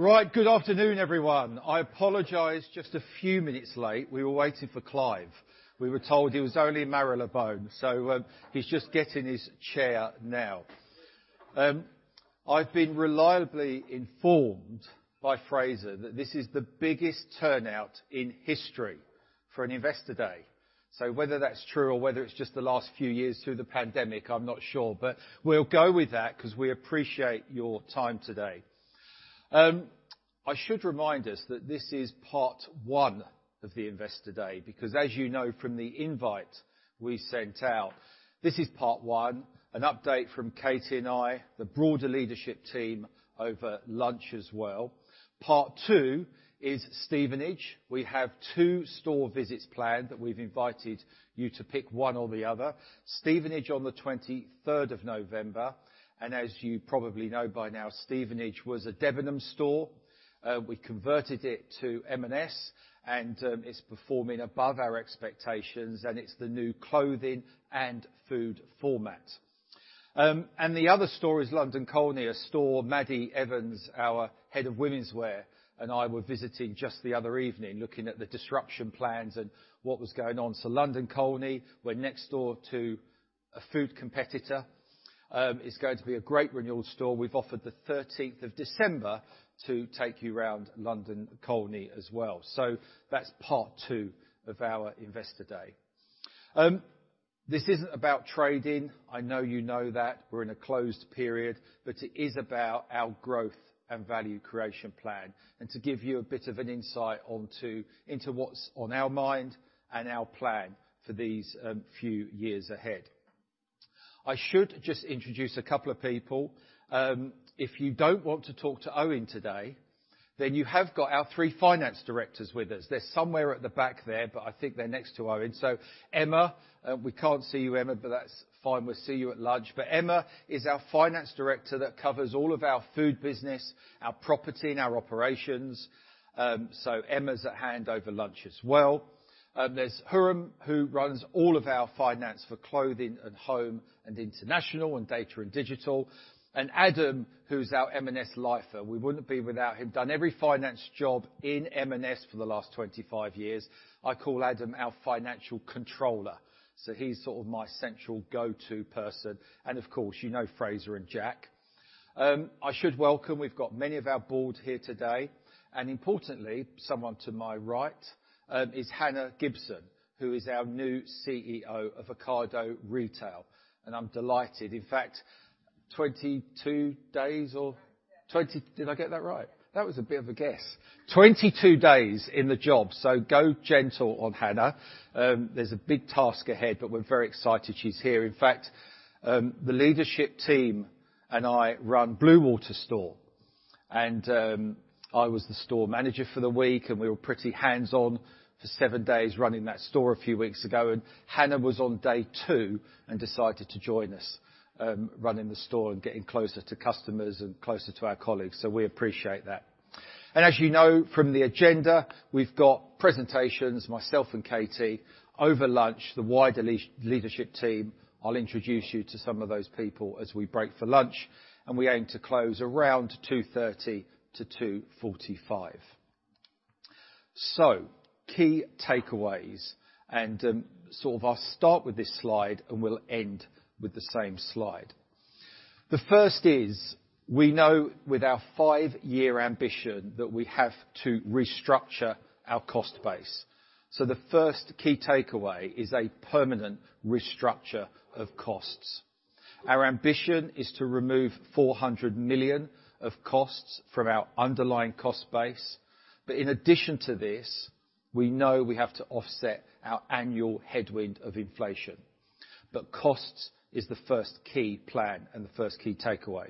Right. Good afternoon, everyone. I apologize, just a few minutes late. We were waiting for Clive. We were told he was only a minute away, so, he's just getting his chair now. I've been reliably informed by Fraser that this is the biggest turnout in history for an Investor Day. Whether that's true or whether it's just the last few years through the pandemic, I'm not sure. We'll go with that 'cause we appreciate your time today. I should remind us that this is part one of the Investor Day, because as you know from the invite we sent out, this is part one, an update from Katie and I, the broader leadership team over lunch as well. Part two is Stevenage. We have two store visits planned that we've invited you to pick one or the other. Stevenage on the 23rd of November. As you probably know by now, Stevenage was a Debenhams store. We converted it to M&S, and it's performing above our expectations, and it's the new Clothing and Food format. The other store is London Colney, a store Maddy Evans, our Head of Womenswear, and I were visiting just the other evening, looking at the disruption plans and what was going on. London Colney, we're next door to a Food competitor. It's going to be a great renewal store. We've offered the 13th of December to take you around London Colney as well. That's part two of our Investor Day. This isn't about trading. I know you know that. We're in a closed period, but it is about our growth and value creation plan, and to give you a bit of an insight into what's on our mind and our plan for these few years ahead. I should just introduce a couple of people. If you don't want to talk to Owen today, then you have got our three Finance Directors with us. They're somewhere at the back there, but I think they're next to Owen. Emma, we can't see you, Emma, but that's fine. We'll see you at lunch. Emma is our Finance Director that covers all of our Food business, our property and our operations. Emma's at hand over lunch as well. There's Eoin Tonge, who runs all of our finance for Clothing & Home and international and data and digital. Adam, who's our M&S lifer. We wouldn't be without him. Done every finance job in M&S for the last 25 years. I call Adam our Financial Controller, so he's sort of my central go-to person. Of course, you know Fraser and Jack. I should welcome, we've got many of our Board here today. Importantly, someone to my right is Hannah Gibson, who is our new CEO of Ocado Retail. I'm delighted. 20. Yeah. Did I get that right? That was a bit of a guess. 22 days in the job, so go gentle on Hannah. There's a big task ahead, but we're very excited she's here. In fact, the leadership team and I run Bluewater store, and I was the Store Manager for the week and we were pretty hands-on for seven days running that store a few weeks ago. Hannah was on day two and decided to join us, running the store and getting closer to customers and closer to our colleagues. We appreciate that. As you know from the agenda, we've got presentations, myself and Katie. Over lunch, the wider leadership team. I'll introduce you to some of those people as we break for lunch, and we aim to close around 2:30 P.M to 2:45 P.M. Key takeaways and, sort of I'll start with this slide and we'll end with the same slide. The first is, we know with our five-year ambition that we have to restructure our cost base. The first key takeaway is a permanent restructure of costs. Our ambition is to remove 400 million of costs from our underlying cost base. In addition to this, we know we have to offset our annual headwind of inflation. Costs is the first key plan and the first key takeaway.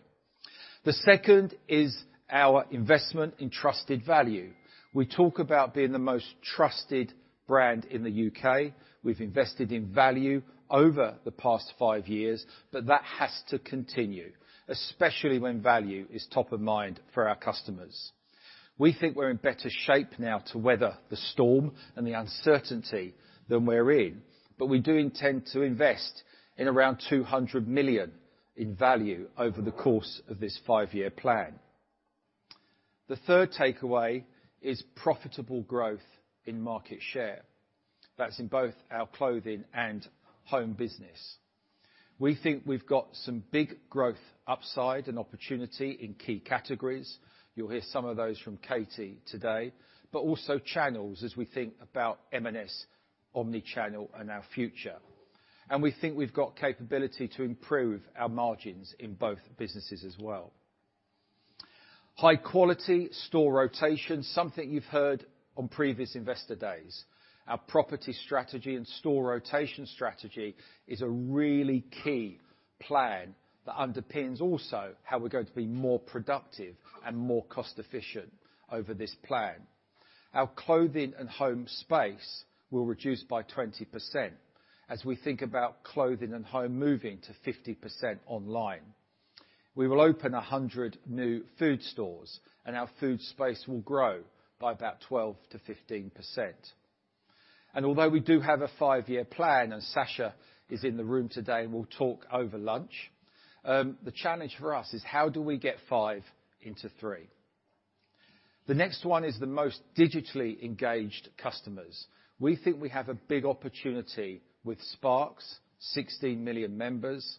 The second is our investment in trusted value. We talk about being the most trusted brand in the U.K.. We've invested in value over the past five years, but that has to continue, especially when value is top of mind for our customers. We think we're in better shape now to weather the storm and the uncertainty than we're in, but we do intend to invest in around 200 million in value over the course of this five-year plan. The third takeaway is profitable growth in market share. That's in both our Clothing & Home business. We think we've got some big growth upside and opportunity in key categories. You'll hear some of those from Katie today, but also channels as we think about M&S omnichannel and our future. We think we've got capability to improve our margins in both businesses as well. High quality store rotation, something you've heard on previous Investor Days. Our property strategy and store rotation strategy is a really key plan that underpins also how we're going to be more productive and more cost efficient over this plan. Our Clothing and home space will reduce by 20% as we think about Clothing and home moving to 50% online. We will open 100 new Food stores, and our Food space will grow by about 12%-15%. Although we do have a five-year plan, and Sacha is in the room today and will talk over lunch, the challenge for us is how do we get five into three? The next one is the most digitally engaged customers. We think we have a big opportunity with Sparks, 16 million members,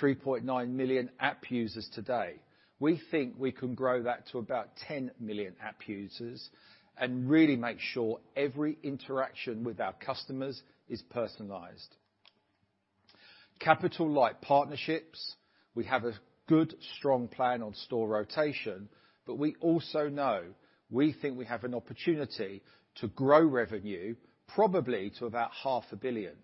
3.9 million app users today. We think we can grow that to about 10 million app users and really make sure every interaction with our customers is personalized. Capital light partnerships, we have a good, strong plan on store rotation, but we also know we think we have an opportunity to grow revenue, probably to about half a billion GBP,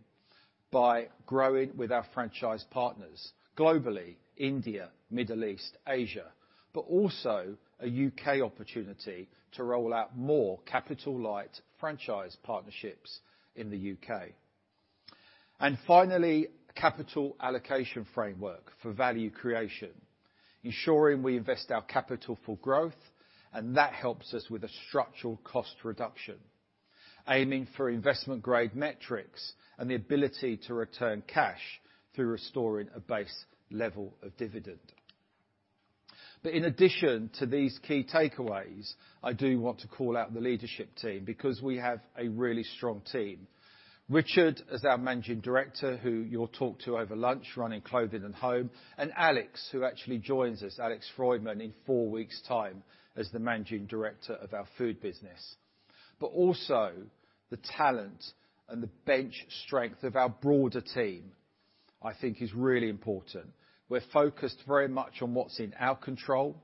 by growing with our franchise partners globally, India, Middle East, Asia, but also a U.K. Opportunity to roll out more capital light franchise partnerships in the U.K.. Finally, capital allocation framework for value creation, ensuring we invest our capital for growth, and that helps us with a structural cost reduction. Aiming for investment-grade metrics and the ability to return cash through restoring a base level of dividend. In addition to these key takeaways, I do want to call out the leadership team because we have a really strong team. Richard is our Managing Director, who you'll talk to over lunch, running Clothing & Home, and Alex, who actually joins us, Alex Freudmann, in four weeks' time as the Managing Director of our Food business. Also the talent and the bench strength of our broader team, I think is really important. We're focused very much on what's in our control.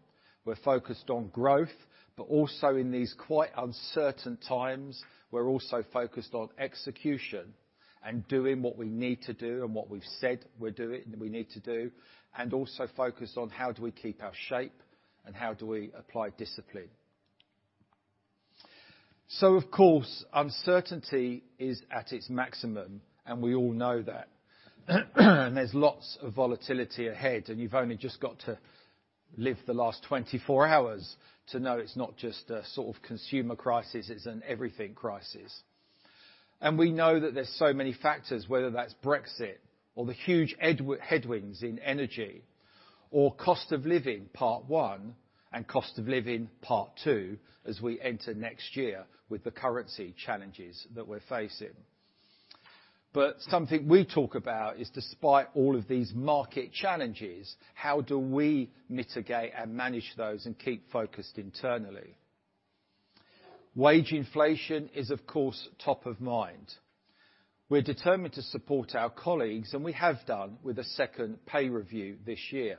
We're focused on growth, but also in these quite uncertain times, we're also focused on execution and doing what we need to do and what we've said we're doing, we need to do, and also focused on how do we keep our shape and how do we apply discipline. Of course, uncertainty is at its maximum, and we all know that. There's lots of volatility ahead, and you've only just got to live the last 24 hours to know it's not just a sort of consumer crisis, it's an everything crisis. We know that there's so many factors, whether that's Brexit or the huge adverse headwinds in energy or cost of living part one and cost of living part two as we enter next year with the currency challenges that we're facing. Something we talk about is despite all of these market challenges, how do we mitigate and manage those and keep focused internally? Wage inflation is, of course, top of mind. We're determined to support our colleagues, and we have done with a second pay review this year.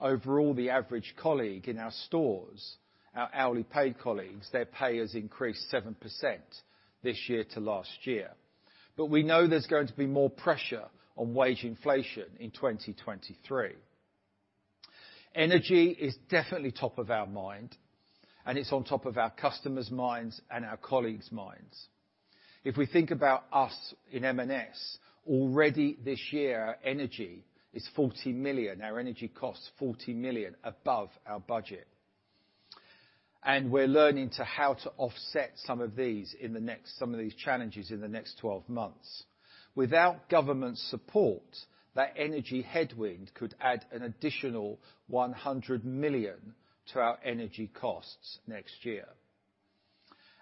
Overall, the average colleague in our stores, our hourly paid colleagues, their pay has increased 7% this year to last year. We know there's going to be more pressure on wage inflation in 2023. Energy is definitely top of our mind, and it's on top of our customers' minds and our colleagues' minds. If we think about us in M&S, already this year, our energy cost 40 million above our budget. We're learning how to offset some of these challenges in the next 12 months. Without government support, that energy headwind could add an additional 100 million to our energy costs next year.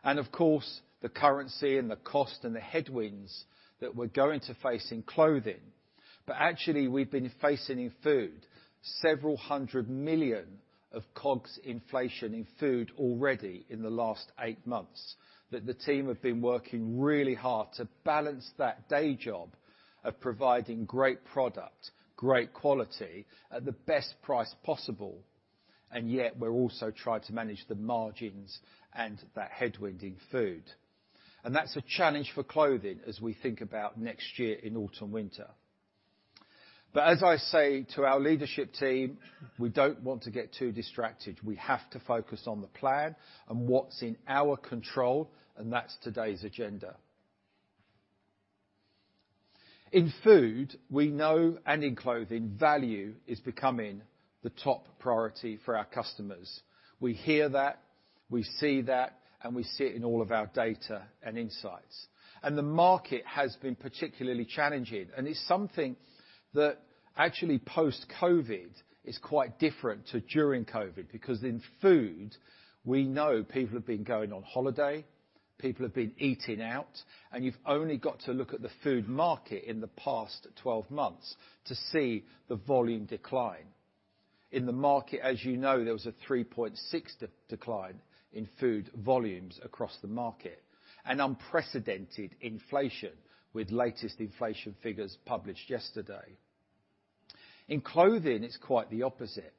Of course, the currency and the cost and the headwinds that we're going to face in Clothing. Actually, we've been facing in Food GBP several hundred million of COGS inflation in Food already in the last eight months, that the team have been working really hard to balance that day job of providing great product, great quality at the best price possible. Yet we're also trying to manage the margins and that headwind in Food. That's a challenge for Clothing as we think about next year in autumn, winter. As I say to our leadership team, we don't want to get too distracted. We have to focus on the plan and what's in our control, and that's today's agenda. In Food, we know, and in Clothing, value is becoming the top priority for our customers. We hear that, we see that, and we see it in all of our data and insights. The market has been particularly challenging, and it's something that actually post-COVID is quite different to during COVID, because in Food, we know people have been going on holiday, people have been eating out, and you've only got to look at the food market in the past 12 months to see the volume decline. In the market, as you know, there was a 3.6% decline in Food volumes across the market, an unprecedented inflation with latest inflation figures published yesterday. In Clothing, it's quite the opposite.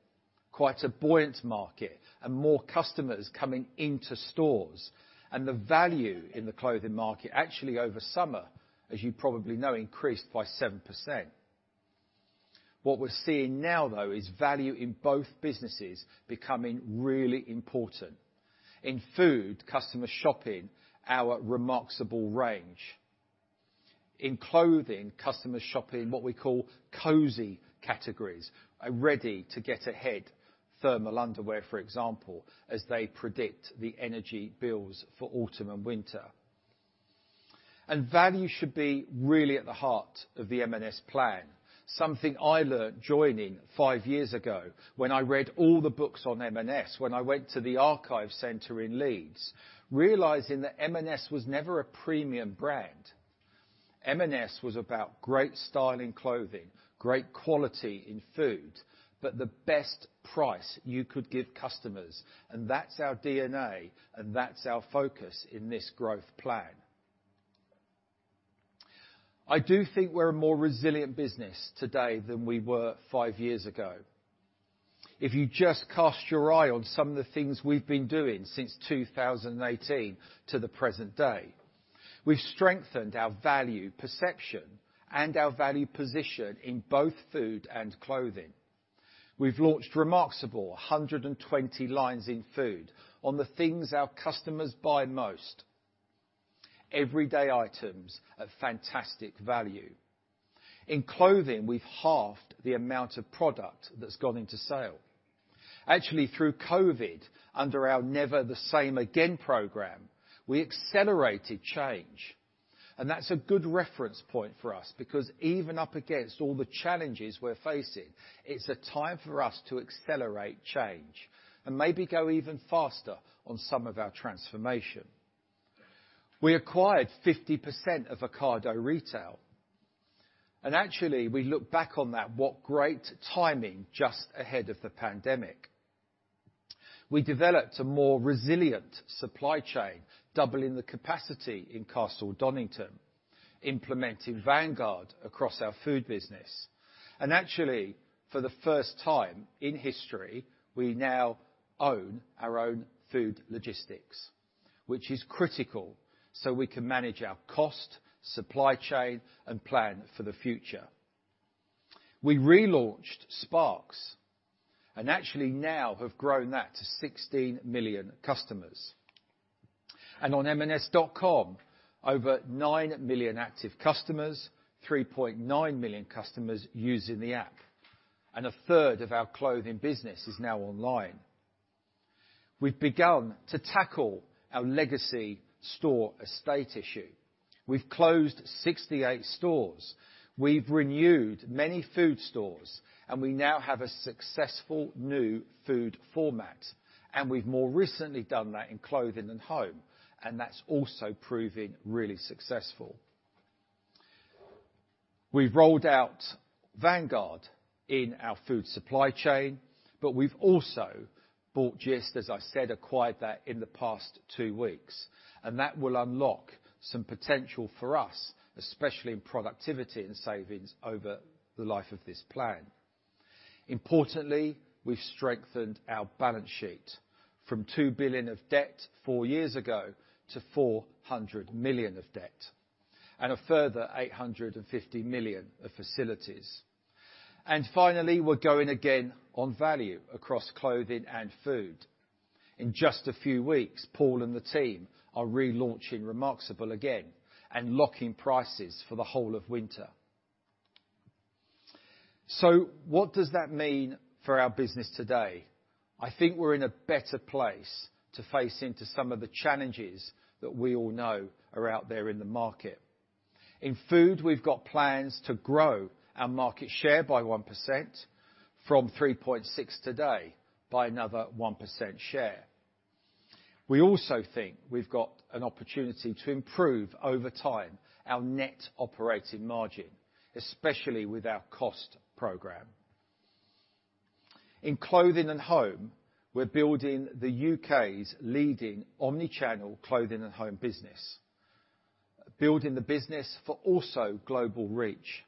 Quite a buoyant market and more customers coming into stores. The value in the clothing market actually over summer, as you probably know, increased by 7%. What we're seeing now, though, is value in both businesses becoming really important. In Food, customers shopping our Remarksable range. In Clothing, customers shop in what we call cozy categories are ready to get ahead, thermal underwear, for example, as they predict the energy bills for autumn and winter. Value should be really at the heart of the M&S plan. Something I learned joining five years ago when I read all the books on M&S, when I went to the archive center in Leeds, realizing that M&S was never a premium brand. M&S was about great style in Clothing, great quality in Food, but the best price you could give customers, and that's our DNA, and that's our focus in this growth plan. I do think we're a more resilient business today than we were five years ago. If you just cast your eye on some of the things we've been doing since 2018 to the present day, we've strengthened our value, perception, and our value position in both Food and Clothing. We've launched Remarksable 120 lines in Food on the things our customers buy most, everyday items at fantastic value. In Clothing, we've halved the amount of product that's gone into sale. Actually, through COVID, under our Never the Same Again program, we accelerated change, and that's a good reference point for us because even up against all the challenges we're facing, it's a time for us to accelerate change and maybe go even faster on some of our transformation. We acquired 50% of Ocado Retail. Actually, we look back on that, what great timing just ahead of the pandemic. We developed a more resilient supply chain, doubling the capacity in Castle Donington, implementing Vanguard across our Food business. Actually, for the first time in history, we now own our own Food logistics, which is critical so we can manage our cost, supply chain, and plan for the future. We relaunched Sparks and actually now have grown that to 16 million customers. On marksandspencer.com, over 9 million active customers, 3.9 million customers using the app, and a third of our Clothing business is now online. We've begun to tackle our legacy store estate issue. We've closed 68 stores. We've renewed many Food stores, and we now have a successful new Food format. We've more recently done that in Clothing & Home, and that's also proving really successful. We've rolled out Vanguard in our food supply chain, but we've also bought Gist, as I said, acquired that in the past two weeks, and that will unlock some potential for us, especially in productivity and savings over the life of this plan. Importantly, we've strengthened our balance sheet from 2 billion of debt four years ago to 400 million of debt and a further 850 million of facilities. Finally, we're going again on value across Clothing and Food. In just a few weeks, Paul and the team are relaunching Remarksable again and locking prices for the whole of winter. What does that mean for our business today? I think we're in a better place to face into some of the challenges that we all know are out there in the market. In Food, we've got plans to grow our market share by 1% from 3.6% today by another 1% share. We also think we've got an opportunity to improve over time our net operating margin, especially with our cost program. In Clothing & Home, we're building the U.K.'s leading omni-channel Clothing & Home business, building the business for also global reach.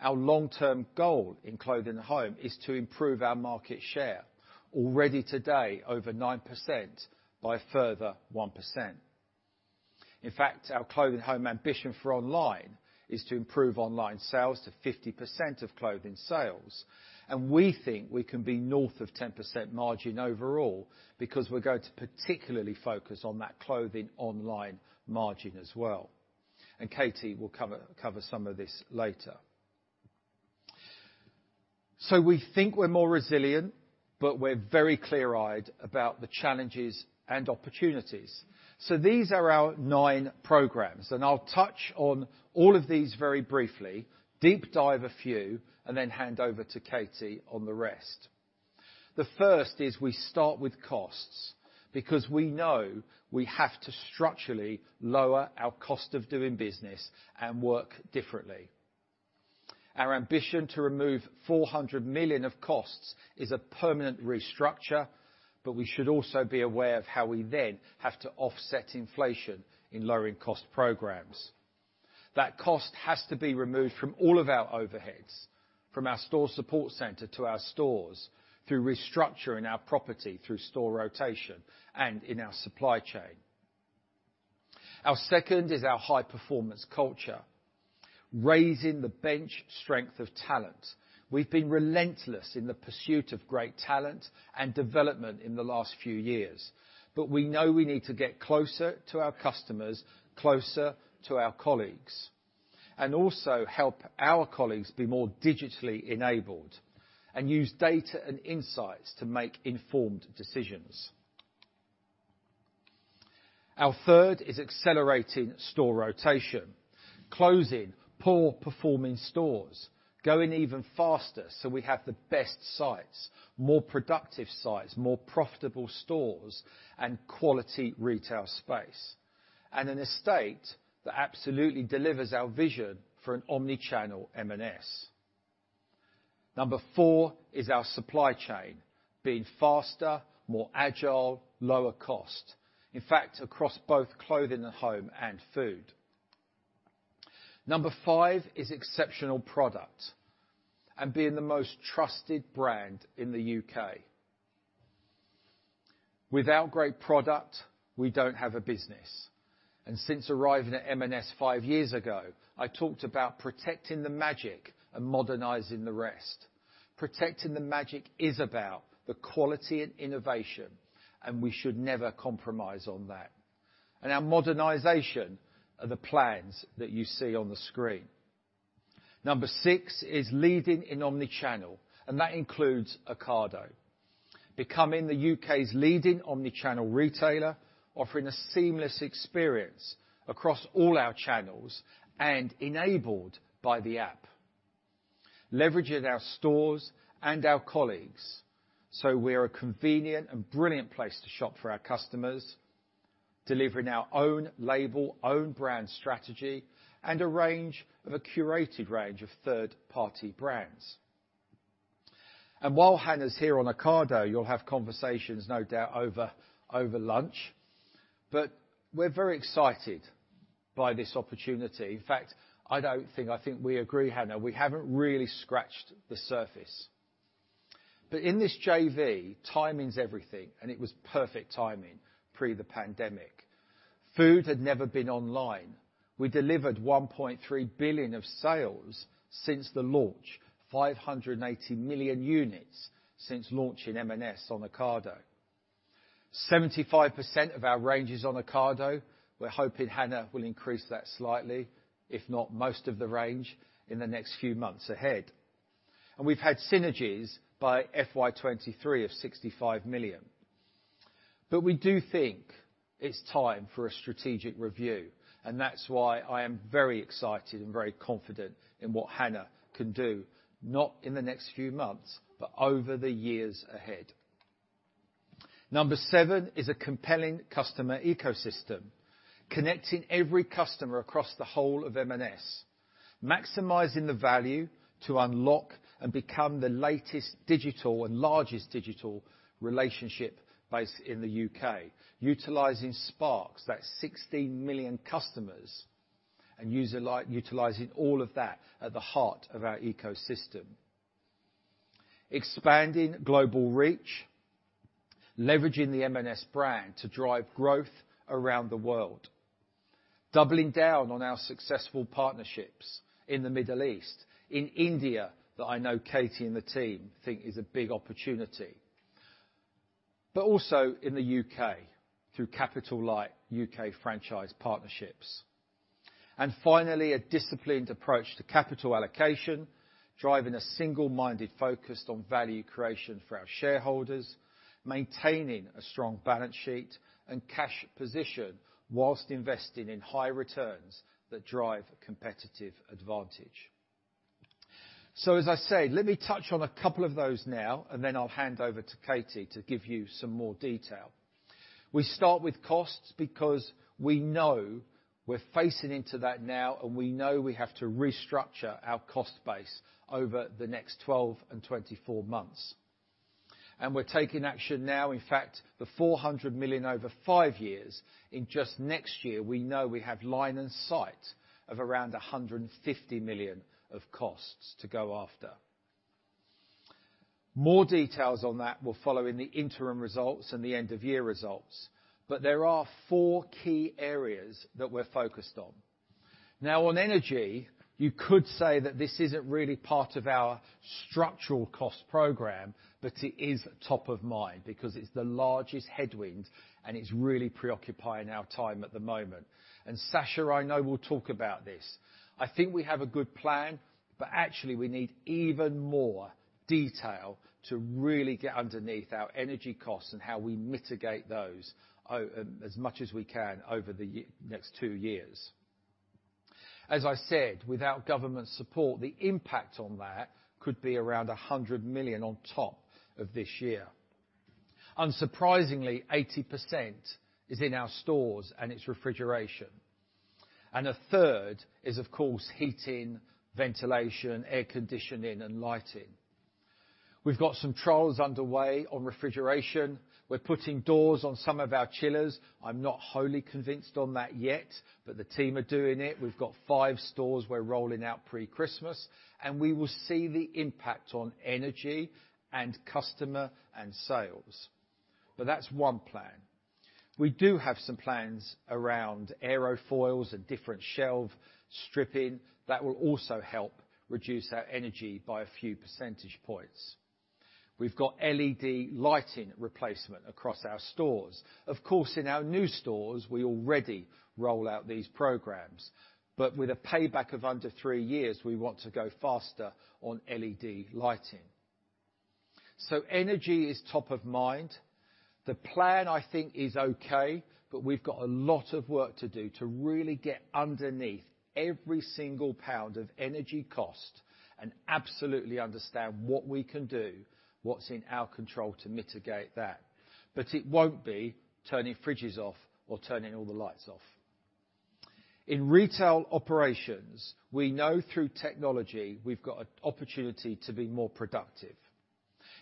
Our long-term goal in Clothing & Home is to improve our market share already today over 9% by a further 1%. In fact, our Clothing & Home ambition for online is to improve online sales to 50% of Clothing sales. We think we can be north of 10% margin overall because we're going to particularly focus on that Clothing online margin as well. Katie will cover some of this later. We think we're more resilient, but we're very clear-eyed about the challenges and opportunities. These are our nine programs, and I'll touch on all of these very briefly, deep dive a few, and then hand over to Katie on the rest. The first is we start with costs because we know we have to structurally lower our cost of doing business and work differently. Our ambition to remove 400 million of costs is a permanent restructure, but we should also be aware of how we then have to offset inflation in lowering cost programs. That cost has to be removed from all of our overheads, from our store support center to our stores, through restructuring our property through store rotation and in our supply chain. Our second is our high-performance culture. Raising the bench strength of talent. We've been relentless in the pursuit of great talent and development in the last few years, but we know we need to get closer to our customers, closer to our colleagues. Also help our colleagues be more digitally enabled, and use data and insights to make informed decisions. Our third is accelerating store rotation. Closing poor performing stores, going even faster so we have the best sites, more productive sites, more profitable stores, and quality retail space, and an estate that absolutely delivers our vision for an omnichannel M&S. Number four is our supply chain being faster, more agile, lower cost, in fact, across both Clothing & Home and Food. Number five is exceptional product and being the most trusted brand in the U.K. Without great product, we don't have a business. Since arriving at M&S five years ago, I talked about protecting the magic and modernizing the rest. Protecting the magic is about the quality and innovation, and we should never compromise on that. Our modernization are the plans that you see on the screen. Number six is leading in omni-channel, and that includes Ocado. Becoming the U.K.'s leading omni-channel retailer, offering a seamless experience across all our channels and enabled by the app. Leveraging our stores and our colleagues, so we're a convenient and brilliant place to shop for our customers. Delivering our own label, own brand strategy, and a curated range of third-party brands. While Hannah's here on Ocado, you'll have conversations no doubt over lunch, but we're very excited by this opportunity. In fact, I think we agree, Hannah, we haven't really scratched the surface. In this JV, timing's everything, and it was perfect timing pre the pandemic. Food had never been online. We delivered 1.3 billion of sales since the launch. 580 million units since launching M&S on Ocado. 75% of our range is on Ocado. We're hoping Hannah will increase that slightly, if not most of the range in the next few months ahead. We've had synergies by FY 23 of 65 million. We do think it's time for a strategic review, and that's why I am very excited and very confident in what Hannah can do, not in the next few months, but over the years ahead. Number seven is a compelling customer ecosystem, connecting every customer across the whole of M&S, maximizing the value to unlock and become the latest digital and largest digital relationship based in the U.K., utilizing Sparks. That's 16 million customers and users, like, utilizing all of that at the heart of our ecosystem. Expanding global reach, leveraging the M&S brand to drive growth around the world, doubling down on our successful partnerships in the Middle East, in India, that I know Katie and the team think is a big opportunity. Also in the U.K. through capital-light U.K. franchise partnerships. Finally, a disciplined approach to capital allocation, driving a single-minded focus on value creation for our shareholders, maintaining a strong balance sheet and cash position while investing in high returns that drive competitive advantage. As I said, let me touch on a couple of those now and then I'll hand over to Katie to give you some more detail. We start with costs because we know we're facing into that now and we know we have to restructure our cost base over the next 12 and 24 months. We're taking action now. In fact, the 400 million over five years, in just next year, we know we have line of sight of around 150 million of costs to go after. More details on that will follow in the interim results and the end of year results, but there are four key areas that we're focused on. Now, on energy, you could say that this isn't really part of our structural cost program, but it is top of mind because it's the largest headwind and it's really preoccupying our time at the moment. Sacha, I know, will talk about this. I think we have a good plan, but actually we need even more detail to really get underneath our energy costs and how we mitigate those as much as we can over the next two years. As I said, without government support, the impact on that could be around 100 million on top of this year. Unsurprisingly, 80% is in our stores and it's refrigeration. A third is, of course, heating, ventilation, air conditioning and lighting. We've got some trials underway on refrigeration. We're putting doors on some of our chillers. I'm not wholly convinced on that yet, but the team are doing it. We've got five stores we're rolling out pre-Christmas, and we will see the impact on energy and customer and sales. That's one plan. We do have some plans around aerofoils and different shelf stripping that will also help reduce our energy by a few percentage points. We've got LED lighting replacement across our stores. Of course, in our new stores, we already roll out these programs. With a payback of under three years, we want to go faster on LED lighting. Energy is top of mind. The plan, I think, is okay, but we've got a lot of work to do to really get underneath every single pound of energy cost and absolutely understand what we can do, what's in our control to mitigate that. It won't be turning fridges off or turning all the lights off. In retail operations, we know through technology we've got an opportunity to be more productive.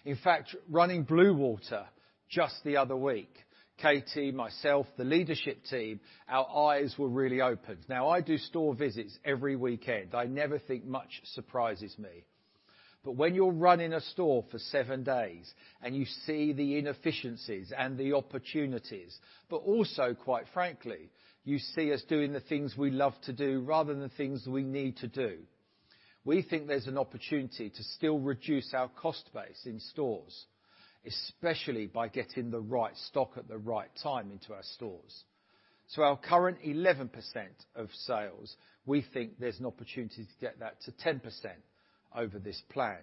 In fact, running Bluewater just the other week, Katie, myself, the leadership team, our eyes were really opened. Now I do store visits every weekend. I never think much surprises me. When you're running a store for seven days and you see the inefficiencies and the opportunities, but also, quite frankly, you see us doing the things we love to do rather than things we need to do, we think there's an opportunity to still reduce our cost base in stores, especially by getting the right stock at the right time into our stores. Our current 11% of sales, we think there's an opportunity to get that to 10% over this plan.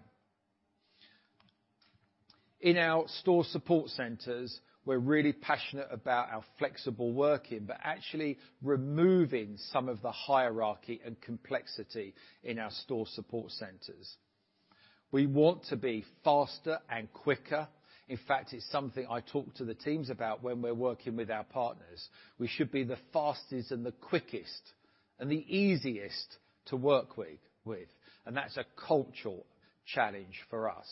In our store support centers, we're really passionate about our flexible working, but actually removing some of the hierarchy and complexity in our store support centers. We want to be faster and quicker. In fact, it's something I talk to the teams about when we're working with our partners. We should be the fastest and the quickest and the easiest to work with. That's a cultural challenge for us.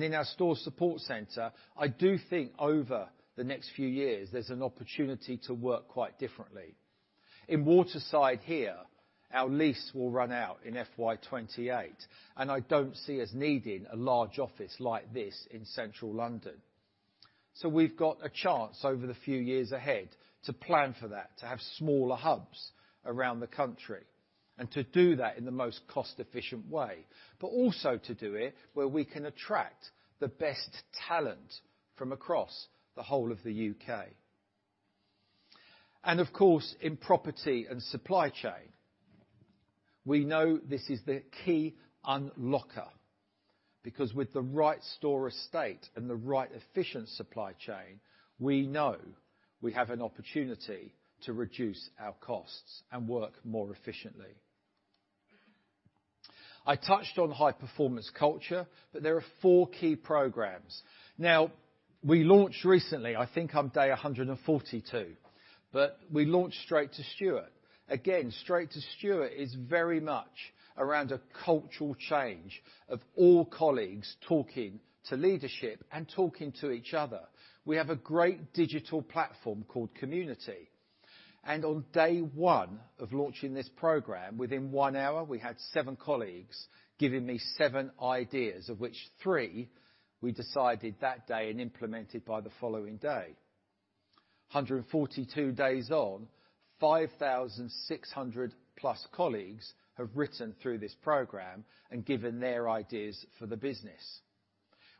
In our store support center, I do think over the next few years, there's an opportunity to work quite differently. In Waterside here, our lease will run out in FY 2028, and I don't see us needing a large office like this in Central London. We've got a chance over the few years ahead to plan for that, to have smaller hubs around the country, and to do that in the most cost-efficient way, but also to do it where we can attract the best talent from across the whole of the U.K.. Of course, in property and supply chain, we know this is the key unlocker because with the right store estate and the right efficient supply chain, we know we have an opportunity to reduce our costs and work more efficiently. I touched on high-performance culture, but there are four key programs. Now, we launched recently, I think I'm day 142, but we launched Straight to Stuart. Again, Straight to Stuart is very much around a cultural change of all colleagues talking to leadership and talking to each other. We have a great digital platform called Community. On day one of launching this program, within one hour, we had seven colleagues giving me seven ideas, of which three we decided that day and implemented by the following day. 142 days on, 5,600+ colleagues have written through this program and given their ideas for the business.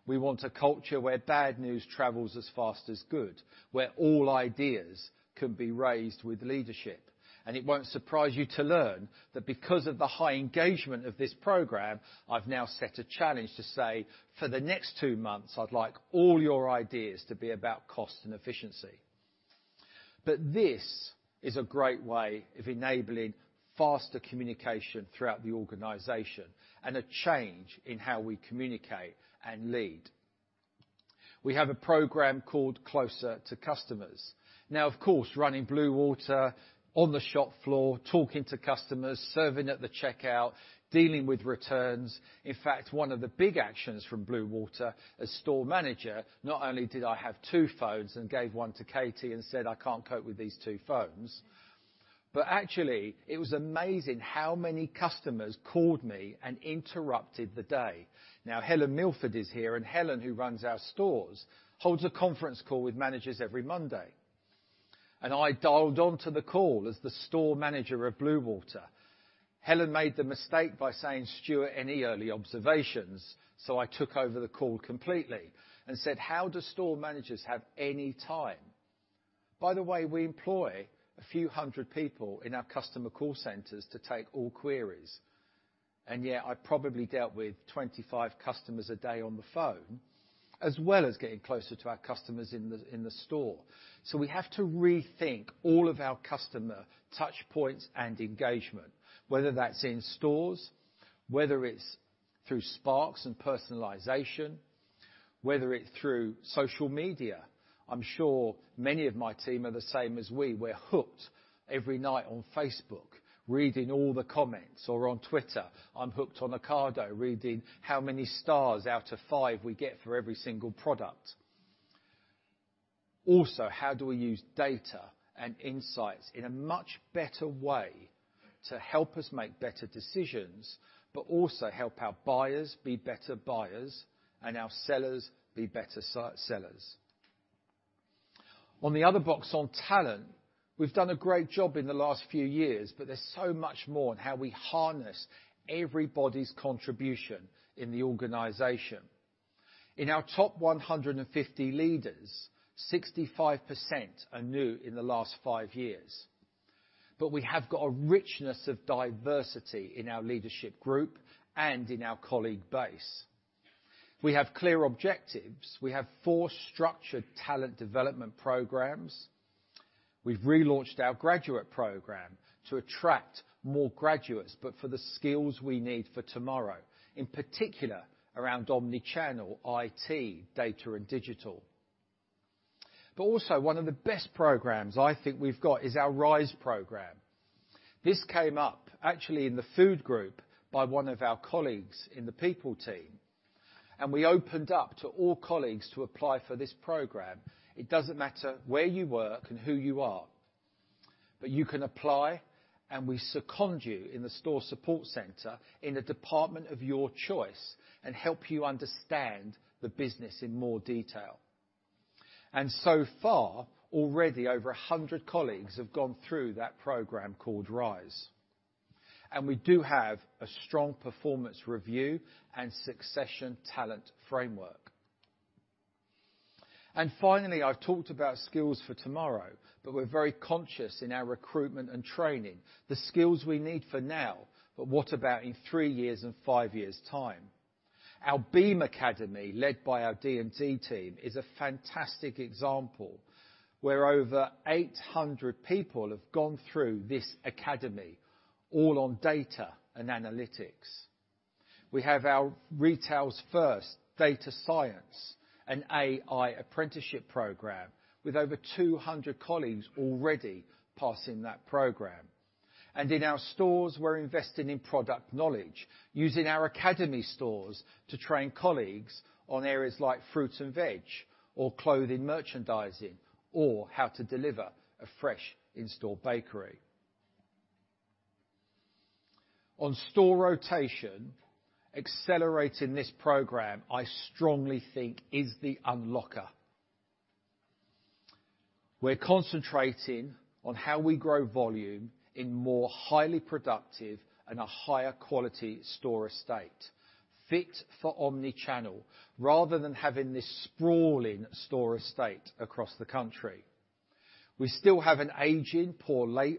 We want a culture where bad news travels as fast as good, where all ideas can be raised with leadership. It won't surprise you to learn that because of the high engagement of this program, I've now set a challenge to say, "For the next two months, I'd like all your ideas to be about cost and efficiency." This is a great way of enabling faster communication throughout the organization and a change in how we communicate and lead. We have a program called Closer to Customers. Now, of course, running Bluewater on the shop floor, talking to customers, serving at the checkout, dealing with returns. In fact, one of the big actions from Bluewater as store manager, not only did I have two phones and gave one to Katie and said, "I can't cope with these two phones," but actually, it was amazing how many customers called me and interrupted the day. Now, Helen Milford is here, and Helen, who runs our stores, holds a conference call with managers every Monday. I dialed on to the call as the store manager of Bluewater. Helen made the mistake by saying, "Stuart, any early observations?" I took over the call completely and said, "How do store managers have any time?" By the way, we employ a few hundred people in our customer call centers to take all queries. Yet I probably dealt with 25 customers a day on the phone, as well as getting closer to our customers in the store. We have to rethink all of our customer touchpoints and engagement, whether that's in stores, whether it's through Sparks and personalization, whether it's through social media. I'm sure many of my team are the same as we. We're hooked every night on Facebook, reading all the comments, or on Twitter. I'm hooked on Ocado, reading how many stars out of five we get for every single product. Also, how do we use data and insights in a much better way to help us make better decisions, but also help our buyers be better buyers and our sellers be better sellers. On the other hand, on talent, we've done a great job in the last few years, but there's so much more in how we harness everybody's contribution in the organization. In our top 150 leaders, 65% are new in the last five years. We have got a richness of diversity in our leadership group and in our colleague base. We have clear objectives. We have four structured talent development programs. We've relaunched our graduate program to attract more graduates, but for the skills we need for tomorrow, in particular, around omnichannel, IT, data and digital. Also one of the best programs I think we've got is our RISE program. This came up actually in the Food group by one of our colleagues in the people team, and we opened up to all colleagues to apply for this program. It doesn't matter where you work and who you are, but you can apply, and we second you in the store support center in a department of your choice and help you understand the business in more detail. So far, already over 100 colleagues have gone through that program called RISE. We do have a strong performance review and succession talent framework. Finally, I've talked about skills for tomorrow, but we're very conscious in our recruitment and training, the skills we need for now. What about in three years and five years time? Our BEAM Academy, led by our D&D team, is a fantastic example where over 800 people have gone through this academy, all on data and analytics. We have our retail's first data science and AI apprenticeship program with over 200 colleagues already passing that program. In our stores, we're investing in product knowledge using our academy stores to train colleagues on areas like fruits and veg or clothing merchandising, or how to deliver a fresh in-store bakery. On store rotation, accelerating this program, I strongly think is the unlocker. We're concentrating on how we grow volume in more highly productive and a higher quality store estate fit for omnichannel rather than having this sprawling store estate across the country. We still have an aging, poorly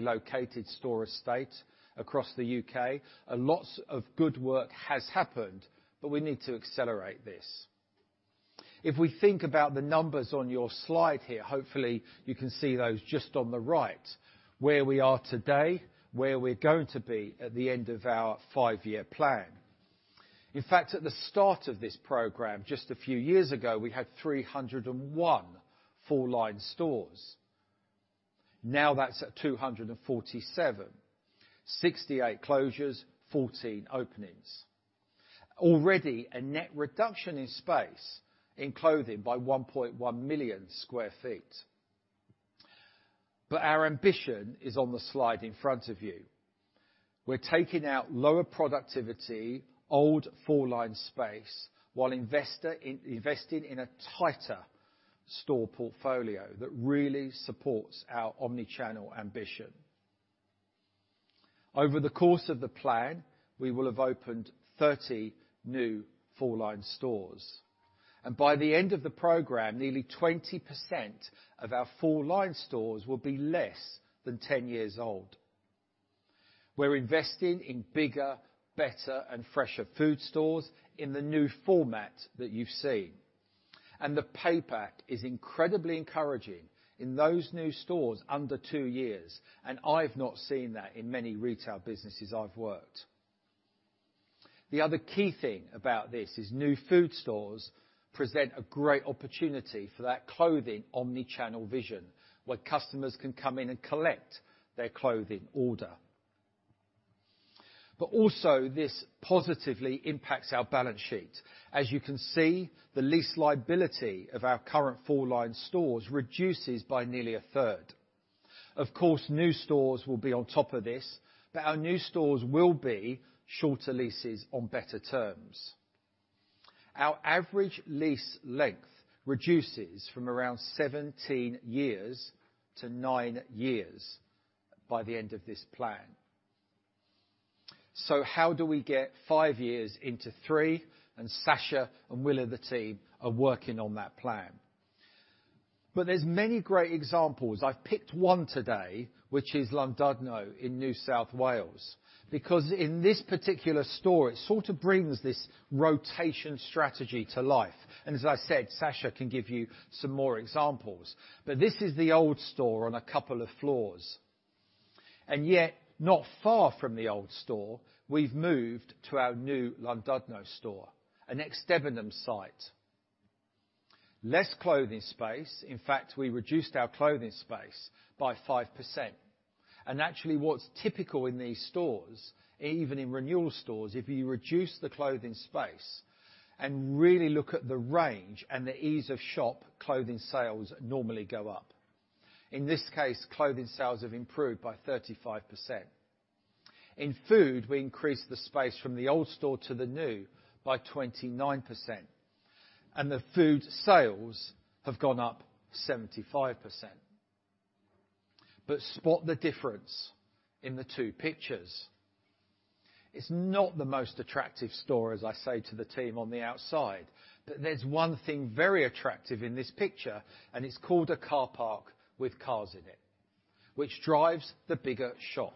located store estate across the U.K. and lots of good work has happened, but we need to accelerate this. If we think about the numbers on your slide here, hopefully you can see those just on the right, where we are today, where we're going to be at the end of our five-year plan. In fact, at the start of this program, just a few years ago, we had 301 full line stores. Now that's at 247, 68 closures, 14 openings. Already a net reduction in space in Clothing by 1.1 million sq ft. Our ambition is on the slide in front of you. We're taking out lower productivity, old full line space while investing in a tighter store portfolio that really supports our omnichannel ambition. Over the course of the plan, we will have opened 30 new full line stores, and by the end of the program, nearly 20% of our full line stores will be less than 10 years old. We're investing in bigger, better and fresher Food stores in the new format that you've seen. The payback is incredibly encouraging in those new stores under two years, and I've not seen that in many retail businesses I've worked. The other key thing about this is new Food stores present a great opportunity for that Clothing omnichannel vision, where customers can come in and collect their clothing order. Also, this positively impacts our balance sheet. As you can see, the lease liability of our current full line stores reduces by nearly a third. Of course, new stores will be on top of this, but our new stores will be shorter leases on better terms. Our average lease length reduces from around 17 years to nine years by the end of this plan. How do we get five years into three? Sacha and Will and the team are working on that plan. There's many great examples. I've picked one today, which is Llandudno in North Wales, because in this particular store, it sort of brings this rotation strategy to life. As I said, Sacha can give you some more examples. This is the old store on a couple of floors. Yet, not far from the old store, we've moved to our new Llandudno store, an ex-Debenhams site. Less Clothing space. In fact, we reduced our Clothing space by 5%. Actually, what's typical in these stores, even in renewal stores, if you reduce the Clothing space and really look at the range and the ease of shop, Clothing sales normally go up. In this case, Clothing sales have improved by 35%. In Food, we increased the space from the old store to the new by 29%, and the Food sales have gone up 75%. Spot the difference in the two pictures. It's not the most attractive store, as I say to the team on the outside, but there's one thing very attractive in this picture, and it's called a car park with cars in it, which drives the bigger shop.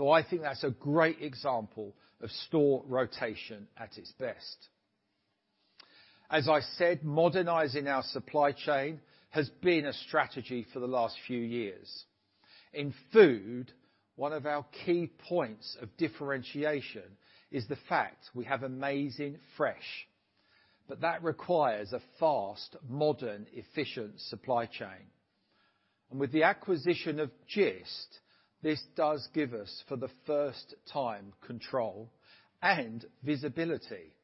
I think that's a great example of store rotation at its best. As I said, modernizing our supply chain has been a strategy for the last few years. In Food, one of our key points of differentiation is the fact we have amazing fresh, but that requires a fast, modern, efficient supply chain. With the acquisition of Gist, this does give us, for the first time, control and visibility.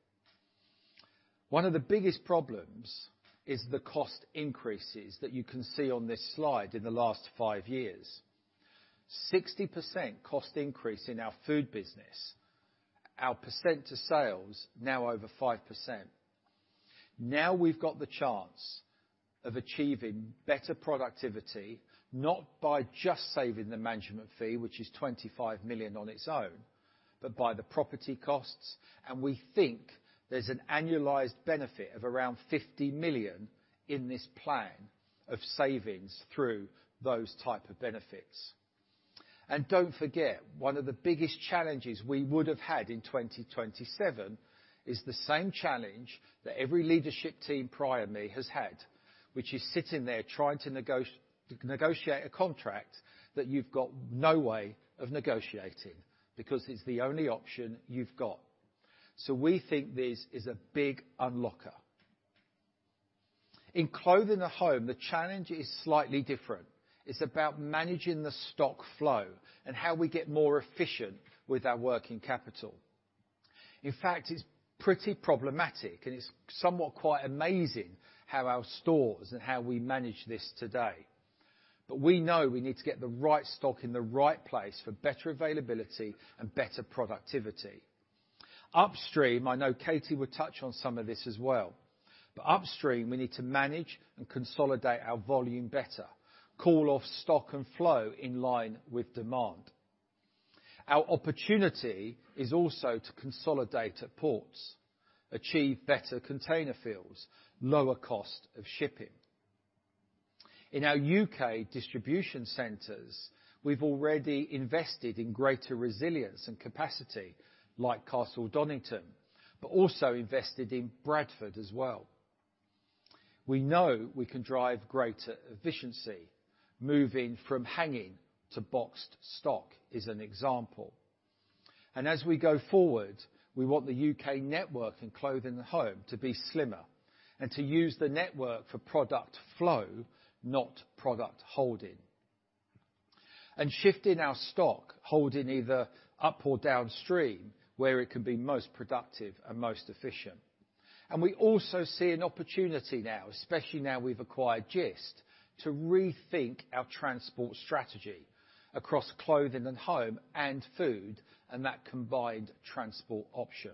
One of the biggest problems is the cost increases that you can see on this slide in the last five years. 60% cost increase in our Food business. Our cost percent to sales now over 5%. Now we've got the chance of achieving better productivity, not by just saving the management fee, which is 25 million on its own, but by the property costs. We think there's an annualized benefit of around 50 million in this plan of savings through those type of benefits. Don't forget, one of the biggest challenges we would have had in 2027 is the same challenge that every leadership team prior me has had, which is sitting there trying to negotiate a contract that you've got no way of negotiating because it's the only option you've got. We think this is a big unlocker. In Clothing & Home, the challenge is slightly different. It's about managing the stock flow and how we get more efficient with our working capital. In fact, it's pretty problematic, and it's somewhat quite amazing how our stores and how we manage this today. We know we need to get the right stock in the right place for better availability and better productivity. Upstream, I know Katie would touch on some of this as well. Upstream, we need to manage and consolidate our volume better, call off stock and flow in line with demand. Our opportunity is also to consolidate at ports, achieve better container fills, lower cost of shipping. In our U.K. distribution centers, we've already invested in greater resilience and capacity like Castle Donington, but also invested in Bradford as well. We know we can drive greater efficiency. Moving from hanging to boxed stock is an example. As we go forward, we want the UK network in Clothing & Home to be slimmer and to use the network for product flow, not product holding. Shifting our stock, holding either up or downstream where it can be most productive and most efficient. We also see an opportunity now, especially now we've acquired Gist, to rethink our transport strategy across Clothing & Home and Food and that combined transport option.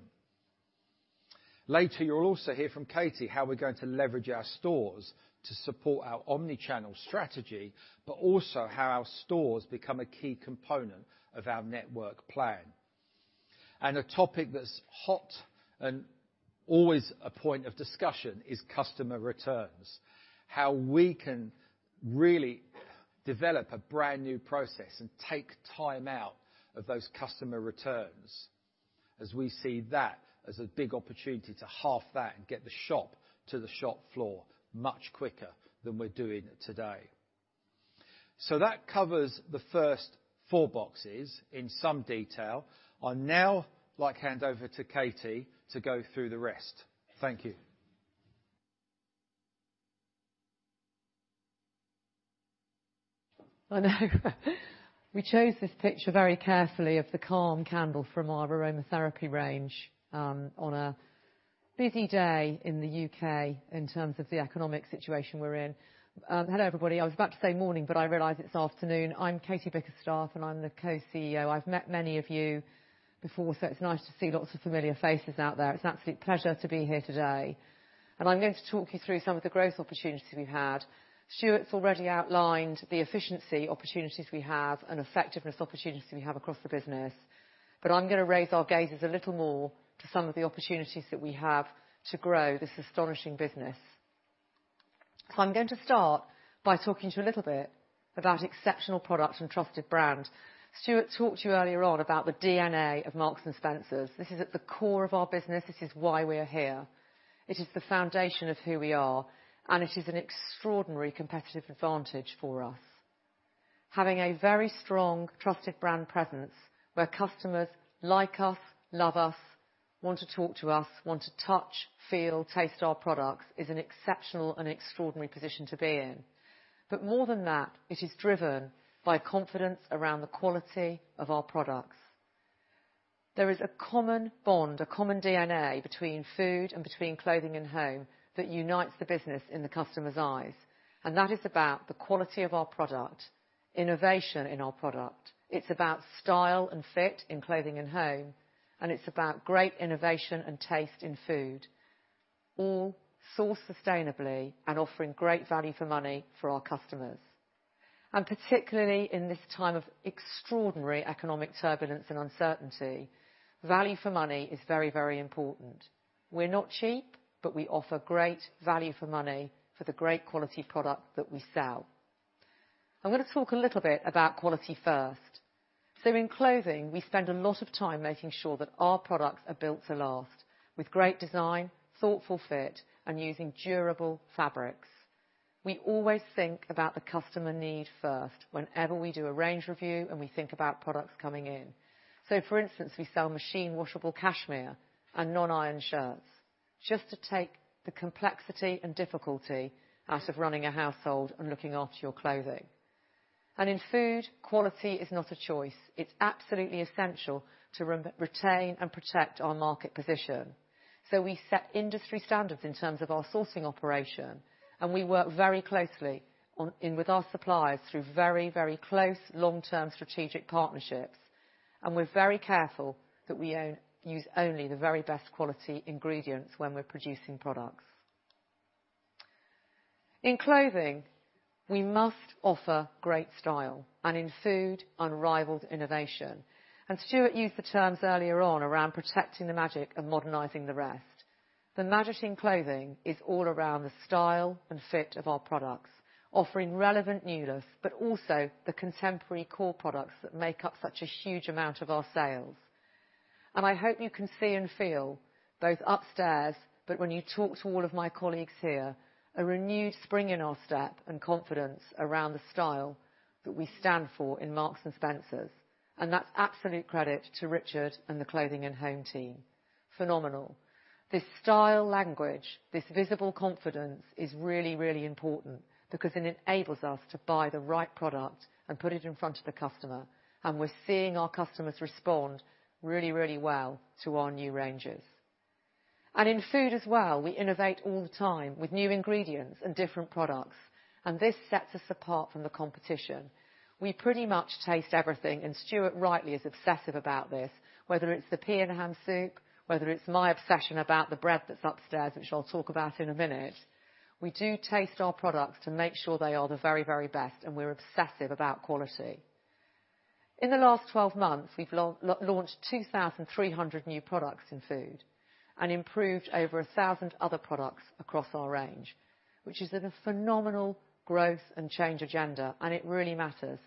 Later, you'll also hear from Katie how we're going to leverage our stores to support our omnichannel strategy, but also how our stores become a key component of our network plan. A topic that's hot and always a point of discussion is customer returns, how we can really develop a brand-new process and take time out of those customer returns as we see that as a big opportunity to halve that and get the stock to the shop floor much quicker than we're doing today. That covers the first four boxes in some detail. I'd now like to hand over to Katie to go through the rest. Thank you. I know. We chose this picture very carefully of the calm candle from our aromatherapy range, on a busy day in the U.K. in terms of the economic situation we're in. Hello, everybody. I was about to say morning, but I realize it's afternoon. I'm Katie Bickerstaffe, and I'm the co-CEO. I've met many of you before, so it's nice to see lots of familiar faces out there. It's an absolute pleasure to be here today. I'm going to talk you through some of the growth opportunities we've had. Stuart's already outlined the efficiency opportunities we have and effectiveness opportunities we have across the business, but I'm gonna raise our gazes a little more to some of the opportunities that we have to grow this astonishing business. I'm going to start by talking to you a little bit about exceptional products and trusted brand. Stuart talked to you earlier on about the DNA of Marks & Spencer. This is at the core of our business. This is why we're here. It is the foundation of who we are, and it is an extraordinary competitive advantage for us. Having a very strong, trusted brand presence where customers like us, love us, want to talk to us, want to touch, feel, taste our products, is an exceptional and extraordinary position to be in. More than that, it is driven by confidence around the quality of our product. There is a common bond, a common DNA between Food and between Clothing & Home that unites the business in the customer's eyes, and that is about the quality of our product, innovation in our product. It's about style and fit in Clothing & Home, and it's about great innovation and taste in Food, all sourced sustainably and offering great value for money for our customers. Particularly in this time of extraordinary economic turbulence and uncertainty, value for money is very, very important. We're not cheap, but we offer great value for money for the great quality product that we sell. I'm gonna talk a little bit about quality first. In Clothing, we spend a lot of time making sure that our products are built to last, with great design, thoughtful fit, and using durable fabrics. We always think about the customer need first whenever we do a range review and we think about products coming in. For instance, we sell machine washable cashmere and non-iron shirts just to take the complexity and difficulty out of running a household and looking after your clothing. In Food, quality is not a choice. It's absolutely essential to retain and protect our market position. We set industry standards in terms of our sourcing operation, and we work very closely with our suppliers through very, very close long-term strategic partnerships, and we're very careful that we use only the very best quality ingredients when we're producing products. In Clothing, we must offer great style, and in Food, unrivaled innovation. Stuart used the terms earlier on around protecting the magic and modernizing the rest. The magic in clothing is all around the style and fit of our products, offering relevant newness, but also the contemporary core products that make up such a huge amount of our sales. I hope you can see and feel both upstairs, but when you talk to all of my colleagues here, a renewed spring in our step and confidence around the style that we stand for in Marks & Spencer. That's absolute credit to Richard and the Clothing & Home team. Phenomenal, this style language, this visible confidence is really, really important because it enables us to buy the right product and put it in front of the customer, and we're seeing our customers respond really, really well to our new ranges. In Food as well, we innovate all the time with new ingredients and different products, and this sets us apart from the competition. We pretty much taste everything, and Stuart rightly is obsessive about this. Whether it's the pea and ham soup, whether it's my obsession about the bread that's upstairs, which I'll talk about in a minute. We do taste our products to make sure they are the very, very best, and we're obsessive about quality. In the last 12 months, we've launched 2,300 new products in Food and improved over 1,000 other products across our range, which is a phenomenal growth and change agenda, and it really matters.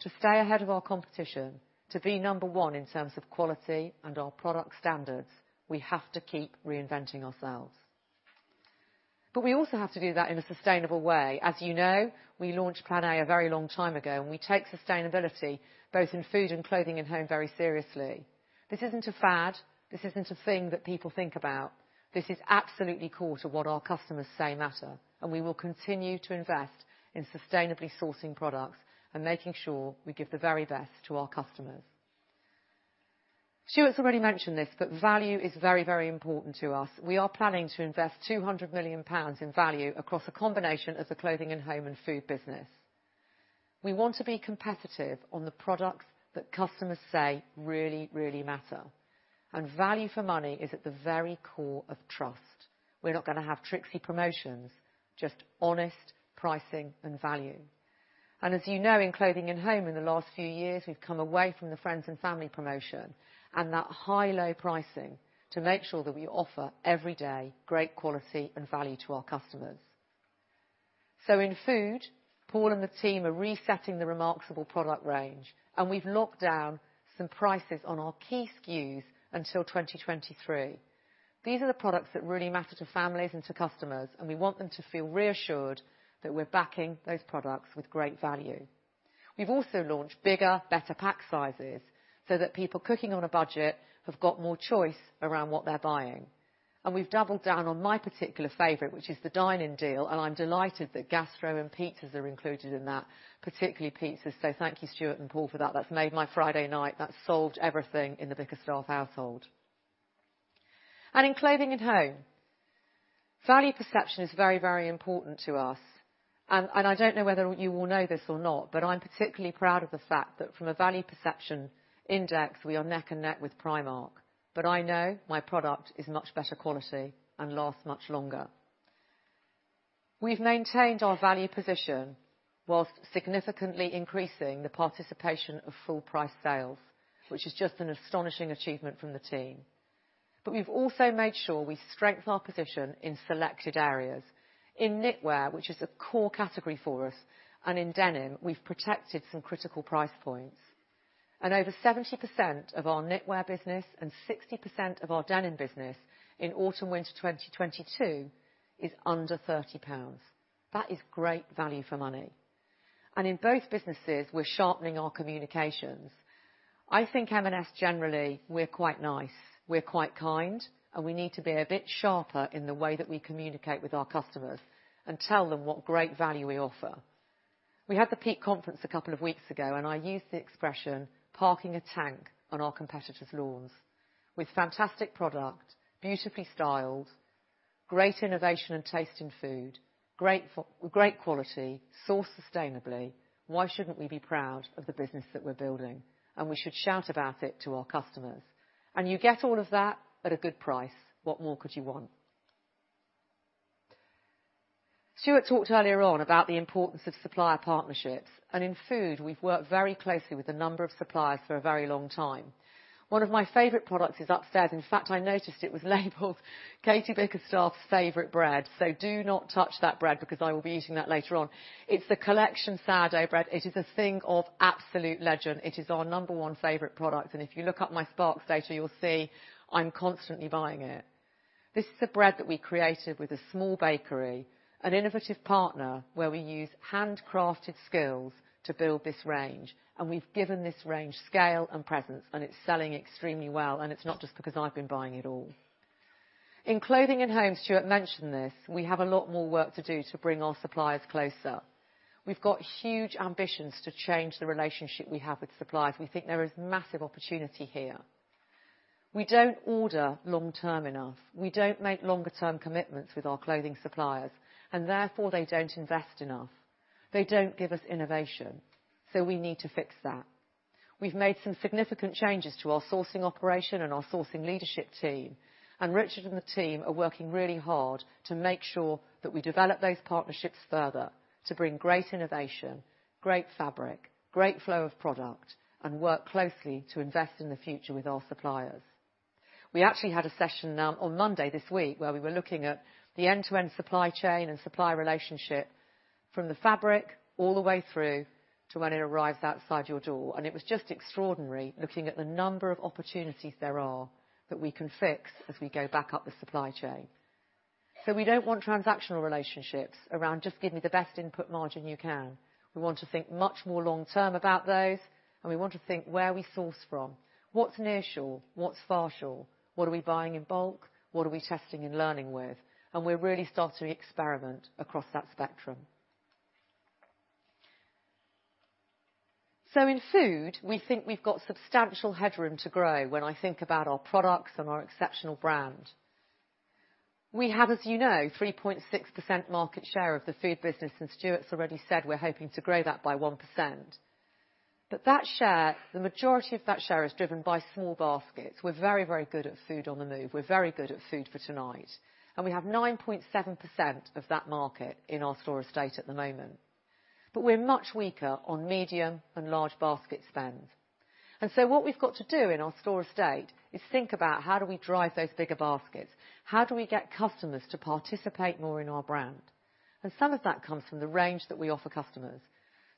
To stay ahead of our competition, to be number one in terms of quality and our product standards, we have to keep reinventing ourselves. We also have to do that in a sustainable way. As you know, we launched Plan A a very long time ago, and we take sustainability both in Food and Clothing & Home very seriously. This isn't a fad. This isn't a thing that people think about. This is absolutely core to what our customers say matter, and we will continue to invest in sustainably sourcing products and making sure we give the very best to our customers. Stuart's already mentioned this, but value is very, very important to us. We are planning to invest 200 million pounds in value across a combination of the Clothing & Home and Food business. We want to be competitive on the products that customers say really, really matter. Value for money is at the very core of trust. We're not gonna have tricksy promotions, just honest pricing and value. As you know, in Clothing & Home in the last few years, we've come away from the friends and family promotion and that high low pricing to make sure that we offer every day great quality and value to our customers. In Food, Paul and the team are resetting the Remarksable product range, and we've locked down some prices on our key SKUs until 2023. These are the products that really matter to families and to customers, and we want them to feel reassured that we're backing those products with great value. We've also launched bigger, better pack sizes so that people cooking on a budget have got more choice around what they're buying. We've doubled down on my particular favorite, which is the Dine In, and I'm delighted that gastro and pizzas are included in that, particularly pizzas. Thank you, Stuart and Paul, for that. That's made my Friday night. That's solved everything in the Bickerstaffe household. In Clothing & Home, value perception is very, very important to us. I don't know whether you all know this or not, but I'm particularly proud of the fact that from a value perception index, we are neck and neck with Primark, but I know my product is much better quality and lasts much longer. We've maintained our value position while significantly increasing the participation of full price sales, which is just an astonishing achievement from the team. We've also made sure we strengthen our position in selected areas. In Knitwear, which is a core category for us, and in denim, we've protected some critical price points. Over 70% of our Knitwear business and 60% of our denim business in autumn/winter 2022 is under 30 pounds. That is great value for money. In both businesses, we're sharpening our communications. I think M&S generally, we're quite nice, we're quite kind, and we need to be a bit sharper in the way that we communicate with our customers and tell them what great value we offer. We had the peak conference a couple of weeks ago, and I used the expression parking a tank on our competitors' lawns. With fantastic product, beautifully styled, great innovation and taste in Food, great quality, sourced sustainably, why shouldn't we be proud of the business that we're building? We should shout about it to our customers. You get all of that at a good price. What more could you want? Stuart talked earlier on about the importance of supplier partnerships, and in Food, we've worked very closely with a number of suppliers for a very long time. One of my favorite products is upstairs. In fact, I noticed it was labeled Katie Bickerstaffe's favorite bread, so do not touch that bread because I will be eating that later on. It's the Collection Sourdough bread. It is a thing of absolute legend. It is our number one favorite product, and if you look up my Sparks data, you'll see I'm constantly buying it. This is a bread that we created with a small bakery, an innovative partner, where we use handcrafted skills to build this range, and we've given this range scale and presence, and it's selling extremely well, and it's not just because I've been buying it all. In Clothing & Home, Stuart mentioned this, we have a lot more work to do to bring our suppliers closer. We've got huge ambitions to change the relationship we have with suppliers. We think there is massive opportunity here. We don't order long-term enough. We don't make longer term commitments with our Clothing suppliers, and therefore, they don't invest enough. They don't give us innovation, so we need to fix that. We've made some significant changes to our sourcing operation and our sourcing leadership team, and Richard and the team are working really hard to make sure that we develop those partnerships further to bring great innovation, great fabric, great flow of product, and work closely to invest in the future with our suppliers. We actually had a session on Monday this week where we were looking at the end-to-end supply chain and supply relationship from the fabric all the way through to when it arrives outside your door, and it was just extraordinary looking at the number of opportunities there are that we can fix as we go back up the supply chain. We don't want transactional relationships around just give me the best input margin you can. We want to think much more long-term about those, and we want to think where we source from. What's nearshore? What's Farshore? What are we buying in bulk? What are we testing and learning with? And we're really starting to experiment across that spectrum. In Food, we think we've got substantial headroom to grow when I think about our products and our exceptional brand. We have, as you know, 3.6% market share of the Food business, and Stuart's already said we're hoping to grow that by 1%. That share, the majority of that share is driven by small baskets. We're very, very good at Food on the move. We're very good at food for tonight, and we have 9.7% of that market in our store estate at the moment. We're much weaker on medium and large basket spend. What we've got to do in our store estate is think about how do we drive those bigger baskets? How do we get customers to participate more in our brand? Some of that comes from the range that we offer customers.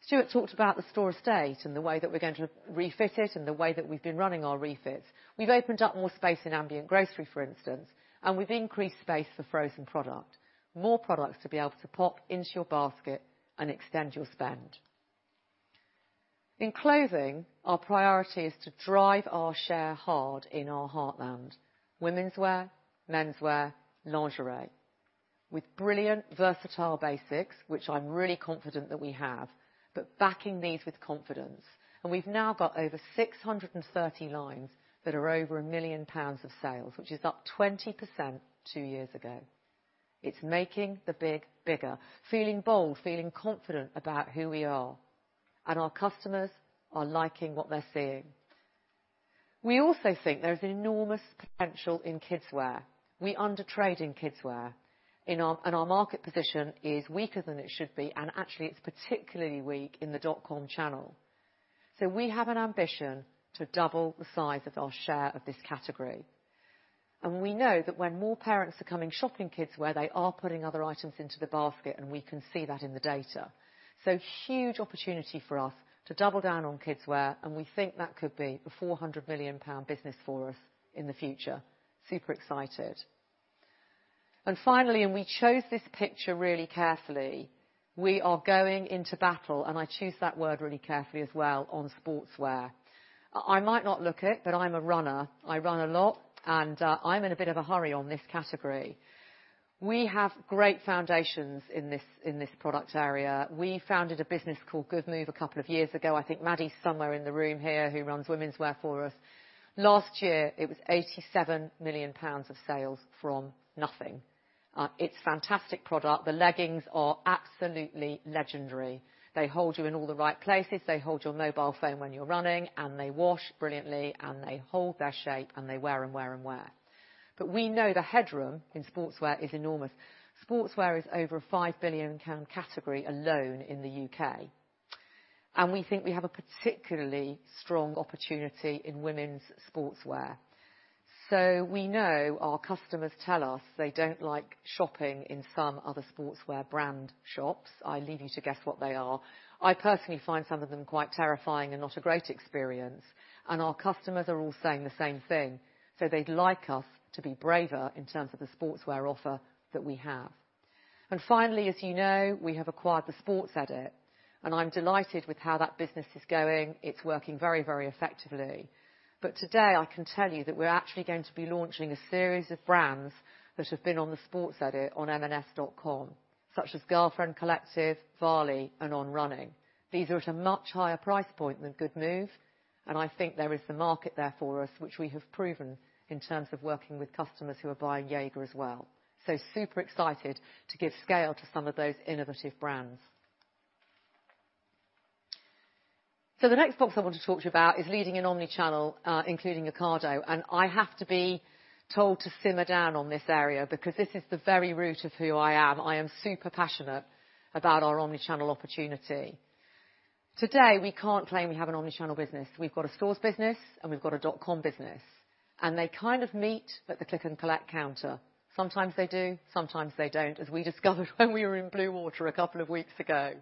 Stuart talked about the store estate and the way that we're going to refit it and the way that we've been running our refits. We've opened up more space in ambient grocery, for instance, and we've increased space for frozen product, more products to be able to pop into your basket and extend your spend. In Clothing, our priority is to drive our share hard in our heartland, womenswear, menswear, lingerie, with brilliant, versatile basics, which I'm really confident that we have, but backing these with confidence. We've now got over 630 lines that are over 1 million pounds of sales, which is up 20% two years ago. It's making the big bigger, feeling bold, feeling confident about who we are, and our customers are liking what they're seeing. We also think there's enormous potential in kidswear. We under-trade in kidswear, and our market position is weaker than it should be, and actually, it's particularly weak in the dot-com channel. We have an ambition to double the size of our share of this category. We know that when more parents are coming shopping kidswear they are putting other items into the basket, and we can see that in the data. Huge opportunity for us to double down on kidswear, and we think that could be a 400 million pound business for us in the future. Super excited. Finally, and we chose this picture really carefully, we are going into battle, and I choose that word really carefully as well, on sportswear. I might not look it, but I'm a runner. I run a lot, and I'm in a bit of a hurry on this category. We have great foundations in this product area. We founded a business called Goodmove a couple of years ago. I think Maddy's somewhere in the room here, who runs womenswear for us. Last year, it was 87 million pounds of sales from nothing. It's fantastic product. The leggings are absolutely legendary. They hold you in all the right places. They hold your mobile phone when you're running, and they wash brilliantly, and they hold their shape, and they wear and wear and wear. But we know the headroom in sportswear is enormous. Sportswear is over a 5 billion category alone in the U.K., and we think we have a particularly strong opportunity in women's sportswear. We know our customers tell us they don't like shopping in some other sportswear brand shops. I leave you to guess what they are. I personally find some of them quite terrifying and not a great experience, and our customers are all saying the same thing. They'd like us to be braver in terms of the sportswear offer that we have. Finally, as you know, we have acquired The Sports Edit, and I'm delighted with how that business is going. It's working very, very effectively. Today, I can tell you that we're actually going to be launching a series of brands that have been on The Sports Edit on marksandspencer.com, such as Girlfriend Collective, Varley, and On Running. These are at a much higher price point than Goodmove. I think there is the market there for us, which we have proven in terms of working with customers who are buying Jaeger as well. Super excited to give scale to some of those innovative brands. The next box I want to talk to you about is leading in omnichannel, including Ocado. I have to be told to simmer down on this area because this is the very root of who I am. I am super passionate about our omnichannel opportunity. Today, we can't claim we have an omnichannel business. We've got a stores business and we've got a dot-com business, and they kind of meet at the click-and-collect counter. Sometimes they do, sometimes they don't, as we discovered when we were in Bluewater a couple of weeks ago.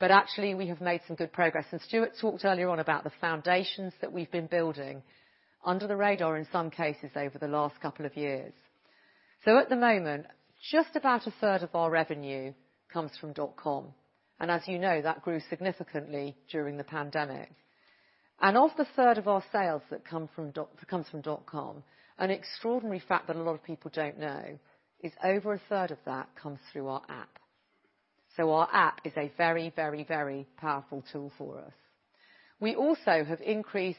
Actually, we have made some good progress, and Stuart talked earlier on about the foundations that we've been building under the radar in some cases over the last couple of years. At the moment, just about 1/3 of our revenue comes from dot-com, and as you know, that grew significantly during the pandemic. Of the 1/3 of our sales that come from dot-com, an extraordinary fact that a lot of people don't know is over 1/3 of that comes through our app. Our app is a very, very, very powerful tool for us. We also have increased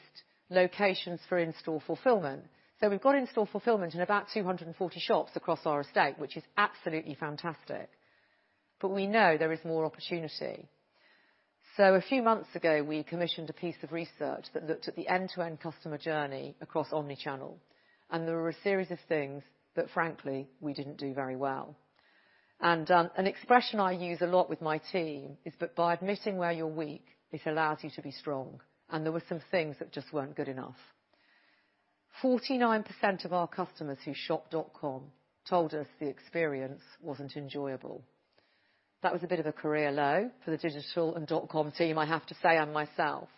locations for in-store fulfillment. We've got in-store fulfillment in about 240 shops across our estate, which is absolutely fantastic. We know there is more opportunity. A few months ago, we commissioned a piece of research that looked at the end-to-end customer journey across omnichannel, and there were a series of things that frankly, we didn't do very well. An expression I use a lot with my team is that by admitting where you're weak, it allows you to be strong. There were some things that just weren't good enough. 49% of our customers who shop dot-com told us the experience wasn't enjoyable. That was a bit of a career low for the digital and dot-com team, I have to say on myself.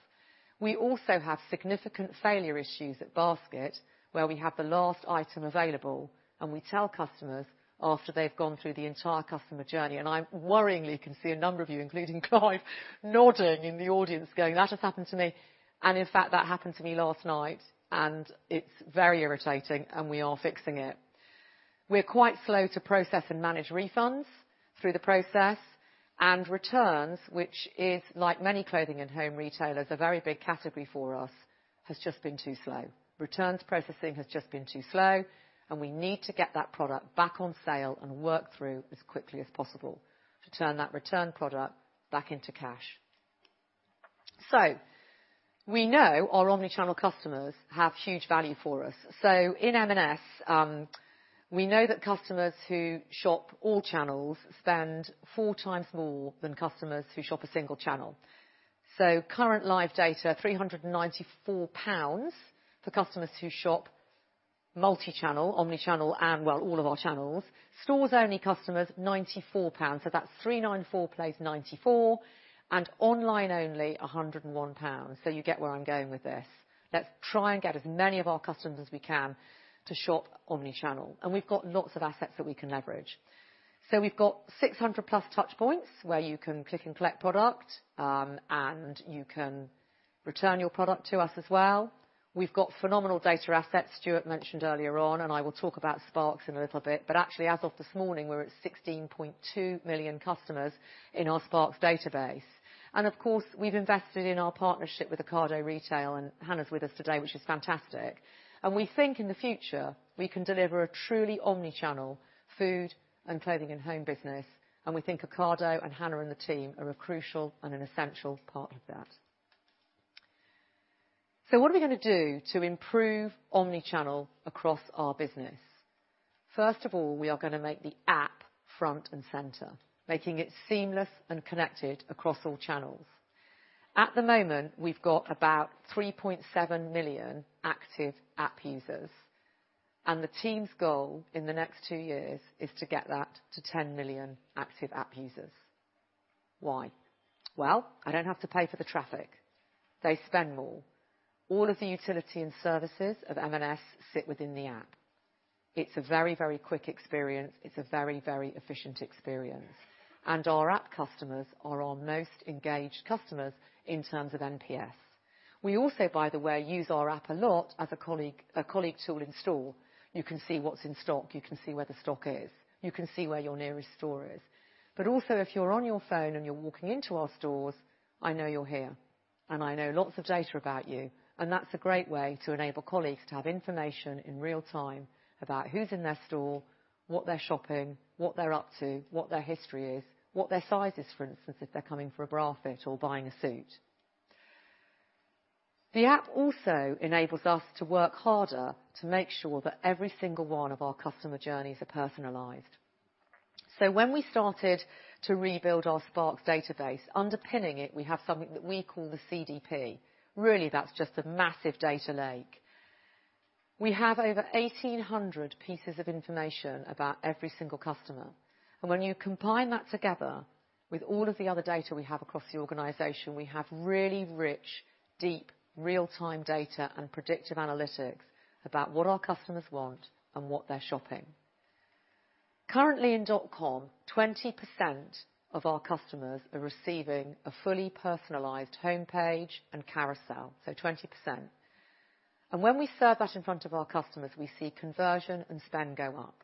We also have significant failure issues at Basket, where we have the last item available, and we tell customers after they've gone through the entire customer journey. I worryingly can see a number of you, including Clive, nodding in the audience, going, "That has happened to me." In fact, that happened to me last night, and it's very irritating and we are fixing it. We're quite slow to process and manage refunds through the process and returns, which is like many clothing and home retailers, a very big category for us, has just been too slow. Returns processing has just been too slow, and we need to get that product back on sale and work through as quickly as possible to turn that return product back into cash. We know our omni-channel customers have huge value for us. In M&S, we know that customers who shop all channels spend four times more than customers who shop a single channel. Current live data, 394 pounds for customers who shop multi-channel, omni-channel, and well, all of our channels. Stores only customers, 94 pounds. That's 394 plus 94, and online only 101 pounds. You get where I'm going with this. Let's try and get as many of our customers as we can to shop omni-channel. We've got lots of assets that we can leverage. We've got 600+ touch points where you can click and collect product, and you can return your product to us as well. We've got phenomenal data assets Stuart mentioned earlier on, and I will talk about Sparks in a little bit. Actually, as of this morning, we're at 16.2 million customers in our Sparks database. Of course, we've invested in our partnership with Ocado Retail, and Hannah's with us today, which is fantastic. We think in the future, we can deliver a truly omni-channel Food and Clothing & Home business, and we think Ocado and Hannah and the team are a crucial and an essential part of that. What are we gonna do to improve omnichannel across our business? First of all, we are gonna make the app front and center, making it seamless and connected across all channels. At the moment, we've got about 3.7 million active app users, and the team's goal in the next two years is to get that to 10 million active app users. Why? Well, I don't have to pay for the traffic. They spend more. All of the utility and services of M&S sit within the app. It's a very, very quick experience. It's a very, very efficient experience. Our app customers are our most engaged customers in terms of NPS. We also, by the way, use our app a lot as a colleague tool in store. You can see what's in stock. You can see where the stock is. You can see where your nearest store is. Also, if you're on your phone and you're walking into our stores, I know you're here, and I know lots of data about you. That's a great way to enable colleagues to have information in real time about who's in their store, what they're shopping, what they're up to, what their history is, what their size is, for instance, if they're coming for a bra fit or buying a suit. The app also enables us to work harder to make sure that every single one of our customer journeys are personalized. When we started to rebuild our Sparks database, underpinning it, we have something that we call the CDP. Really, that's just a massive data lake. We have over 1,800 pieces of information about every single customer. When you combine that together with all of the other data we have across the organization, we have really rich, deep real-time data and predictive analytics about what our customers want and what they're shopping. Currently in dot-com, 20% of our customers are receiving a fully personalized homepage and carousel, so 20%. When we serve that in front of our customers, we see conversion and spend go up.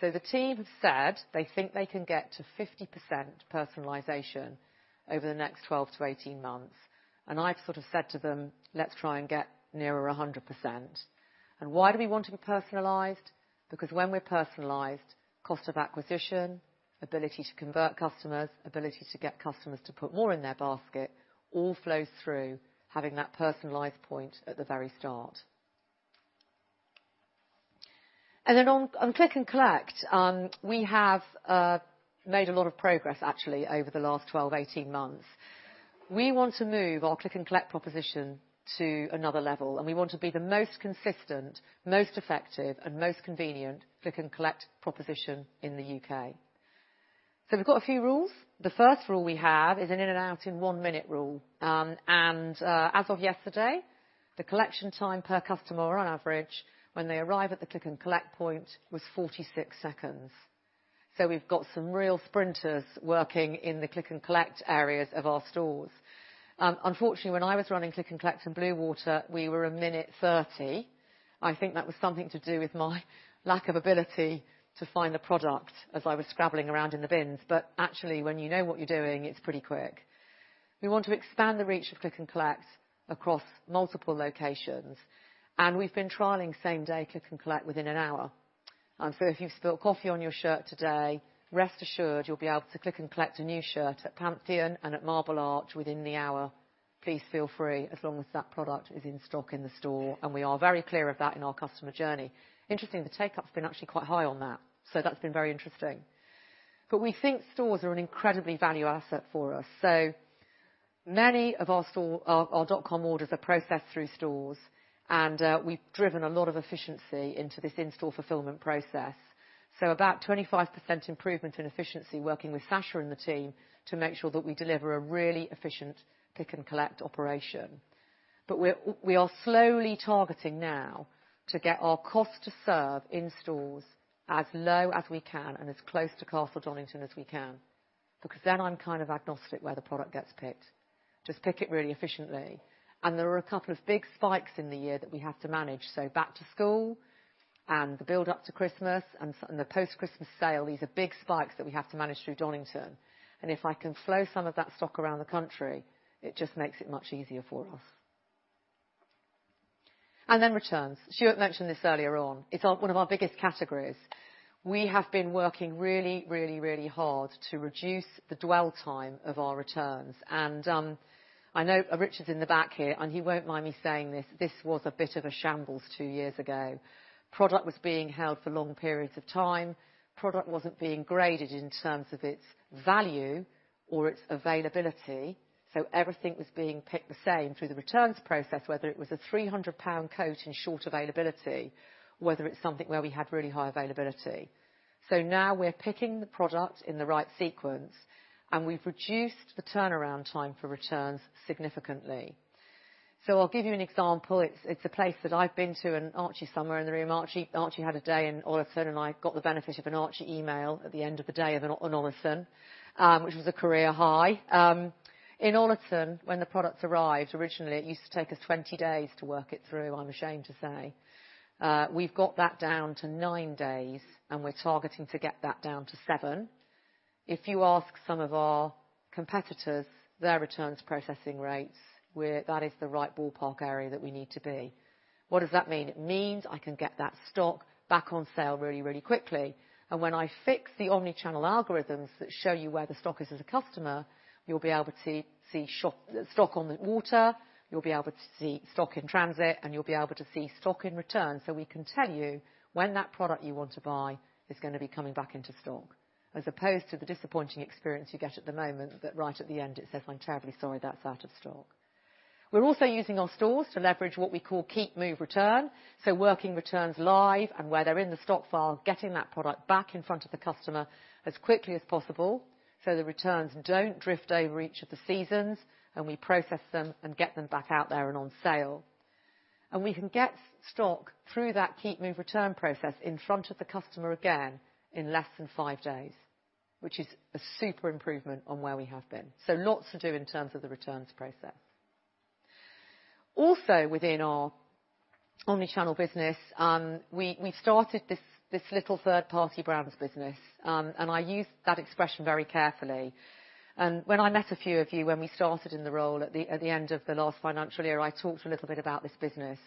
The team have said they think they can get to 50% personalization over the next 12 to 18 months. I've sort of said to them, "Let's try and get nearer a 100%." Why do we want to be personalized? Because when we're personalized, cost of acquisition, ability to convert customers, ability to get customers to put more in their basket all flows through having that personalized point at the very start. On click and collect, we have made a lot of progress actually over the last 12, 18 months. We want to move our Click and Collect proposition to another level, and we want to be the most consistent, most effective, and most convenient Click and Collect proposition in the U.K.. We've got a few rules. The first rule we have is an in-and-out in 1 minute rule. As of yesterday, the collection time per customer on average when they arrive at the Click and Collect point was 46 seconds. We've got some real sprinters working in the Click and Collect areas of our stores. Unfortunately, when I was running Click and Collect in Bluewater, we were a minute 30. I think that was something to do with my lack of ability to find the product as I was scrabbling around in the bins. Actually, when you know what you're doing, it's pretty quick. We want to expand the reach of click and collect across multiple locations, and we've been trialing same-day click and collect within an hour. If you've spilled coffee on your shirt today, rest assured you'll be able to click and collect a new shirt at Paddington and at Marble Arch within the hour. Please feel free, as long as that product is in stock in the store, and we are very clear of that in our customer journey. Interesting, the take-up's been actually quite high on that, so that's been very interesting. We think stores are an incredibly valuable asset for us. Many of our store... Our .com orders are processed through stores and we've driven a lot of efficiency into this in-store fulfillment process. About 25% improvement in efficiency working with Sacha and the team to make sure that we deliver a really efficient click and collect operation. We are slowly targeting now to get our cost to serve in stores as low as we can and as close to Castle Donington as we can, because then I'm kind of agnostic where the product gets picked. Just pick it really efficiently. There are a couple of big spikes in the year that we have to manage. Back to school and the build-up to Christmas and the post-Christmas sale, these are big spikes that we have to manage through Castle Donington. If I can flow some of that stock around the country, it just makes it much easier for us. Returns. Stuart mentioned this earlier on. It's our one of our biggest categories. We have been working really hard to reduce the dwell time of our returns. I know Richard's in the back here, and he won't mind me saying this was a bit of a shambles two years ago. Product was being held for long periods of time. Product wasn't being graded in terms of its value or its availability, so everything was being picked the same through the returns process, whether it was a 300 pound coat in short availability, whether it's something where we had really high availability. Now we're picking the product in the right sequence, and we've reduced the turnaround time for returns significantly. I'll give you an example. It's a place that I've been to and Archie's somewhere in the room. Archie had a day in Ollerton, and I got the benefit of an Archie email at the end of the day in Ollerton, which was a career high. In Ollerton, when the products arrived, originally, it used to take us 20 days to work it through, I'm ashamed to say. We've got that down to nine days, and we're targeting to get that down to seven. If you ask some of our competitors their returns processing rates, that is the right ballpark area that we need to be. What does that mean? It means I can get that stock back on sale really, really quickly. When I fix the omnichannel algorithms that show you where the stock is as a customer, you'll be able to see stock on the water, you'll be able to see stock in transit, and you'll be able to see stock in return. We can tell you when that product you want to buy is gonna be coming back into stock, as opposed to the disappointing experience you get at the moment that, right at the end, it says, "I'm terribly sorry that's out of stock." We're also using our stores to leverage what we call keep, move, return. Working returns live and where they're in the stock file, getting that product back in front of the customer as quickly as possible so the returns don't drift over each of the seasons and we process them and get them back out there and on sale. We can get stock through that keep, move, return process in front of the customer again in less than five days, which is a super improvement on where we have been. Lots to do in terms of the returns process. Also within our omni-channel business, we started this little third-party brands business, and I use that expression very carefully. When I met a few of you when we started in the role at the end of the last financial year, I talked a little bit about this business.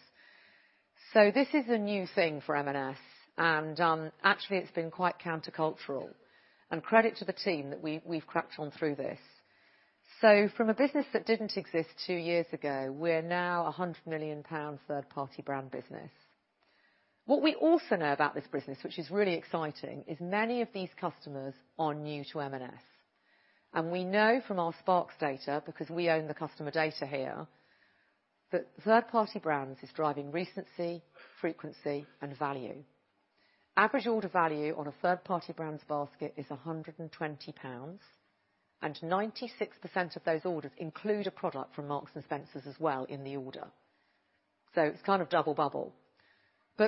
This is a new thing for M&S and, actually, it's been quite countercultural. Credit to the team that we've cracked on through this. From a business that didn't exist two years ago, we're now 100 million pound third-party brand business. What we also know about this business, which is really exciting, is many of these customers are new to M&S. We know from our Sparks data, because we own the customer data here, that third-party brands is driving recency, frequency, and value. Average order value on a third-party brands basket is 120 pounds, and 96% of those orders include a product from Marks & Spencer as well in the order. It's kind of double bubble.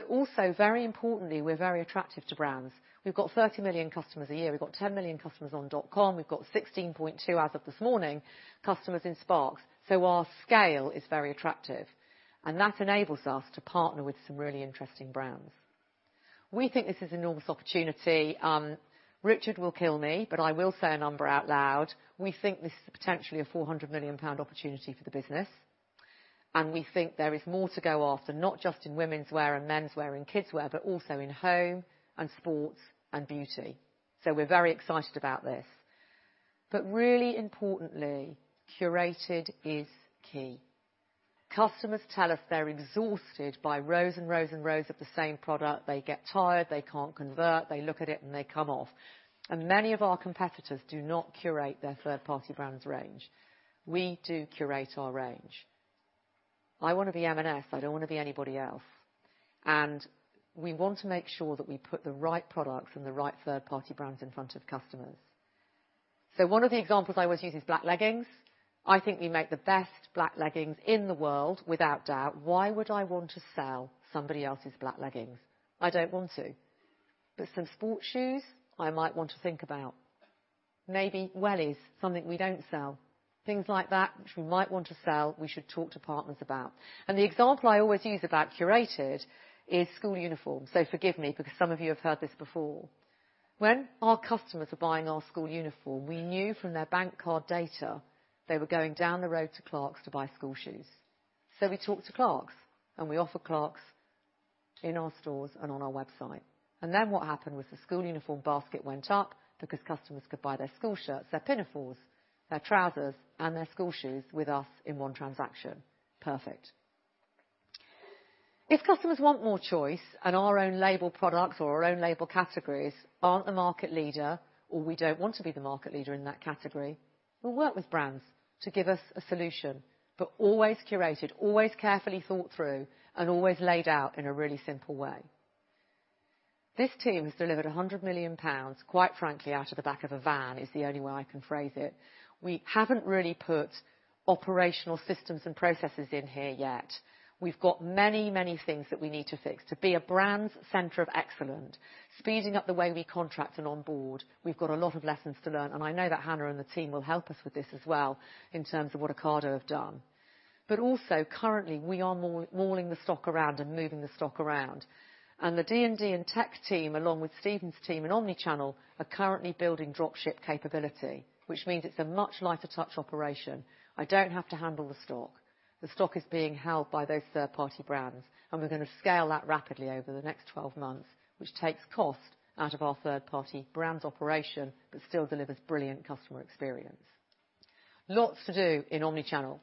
Also, very importantly, we're very attractive to brands. We've got 30 million customers a year. We've got 10 million customers on dot-com. We've got 16.2 as of this morning customers in Sparks. Our scale is very attractive and that enables us to partner with some really interesting brands. We think this is enormous opportunity. Richard will kill me, but I will say a number out loud. We think this is potentially a 400 million pound opportunity for the business, and we think there is more to go after, not just in women's wear and men's wear and kids wear, but also in home and sports and beauty. We're very excited about this. Really importantly, curated is key. Customers tell us they're exhausted by rows and rows and rows of the same product. They get tired, they can't convert, they look at it, and they come off. Many of our competitors do not curate their third-party brands range. We do curate our range. I wanna be M&S, I don't wanna be anybody else. We want to make sure that we put the right products from the right third-party brands in front of customers. One of the examples I always use is black leggings. I think we make the best black leggings in the world, without doubt. Why would I want to sell somebody else's black leggings? I don't want to. But some sports shoes, I might want to think about. Maybe wellies, something we don't sell. Things like that, which we might want to sell, we should talk to partners about. The example I always use about curated is school uniforms. Forgive me because some of you have heard this before. When our customers are buying our school uniform, we knew from their bank card data, they were going down the road to Clarks to buy school shoes. We talked to Clarks, and we offer Clarks in our stores and on our website. What happened was the school uniform basket went up because customers could buy their school shirts, their pinafores, their trousers, and their school shoes with us in one transaction. Perfect. If customers want more choice and our own label products or our own label categories aren't the market leader or we don't want to be the market leader in that category, we'll work with brands to give us a solution. Always curated, always carefully thought through, and always laid out in a really simple way. This team has delivered 100 million pounds, quite frankly, out of the back of a van, is the only way I can phrase it. We haven't really put operational systems and processes in here yet. We've got many, many things that we need to fix to be a brands center of excellence, speeding up the way we contract and onboard. We've got a lot of lessons to learn, and I know that Hannah and the team will help us with this as well in terms of what Ocado have done. Currently, we are muling the stock around and moving the stock around. The D&D and tech team, along with Stephen's team in omnichannel, are currently building drop ship capability, which means it's a much lighter touch operation. I don't have to handle the stock. The stock is being held by those third-party brands, and we're gonna scale that rapidly over the next 12 months, which takes cost out of our third-party brands operation but still delivers brilliant customer experience. Lots to do in omnichannel.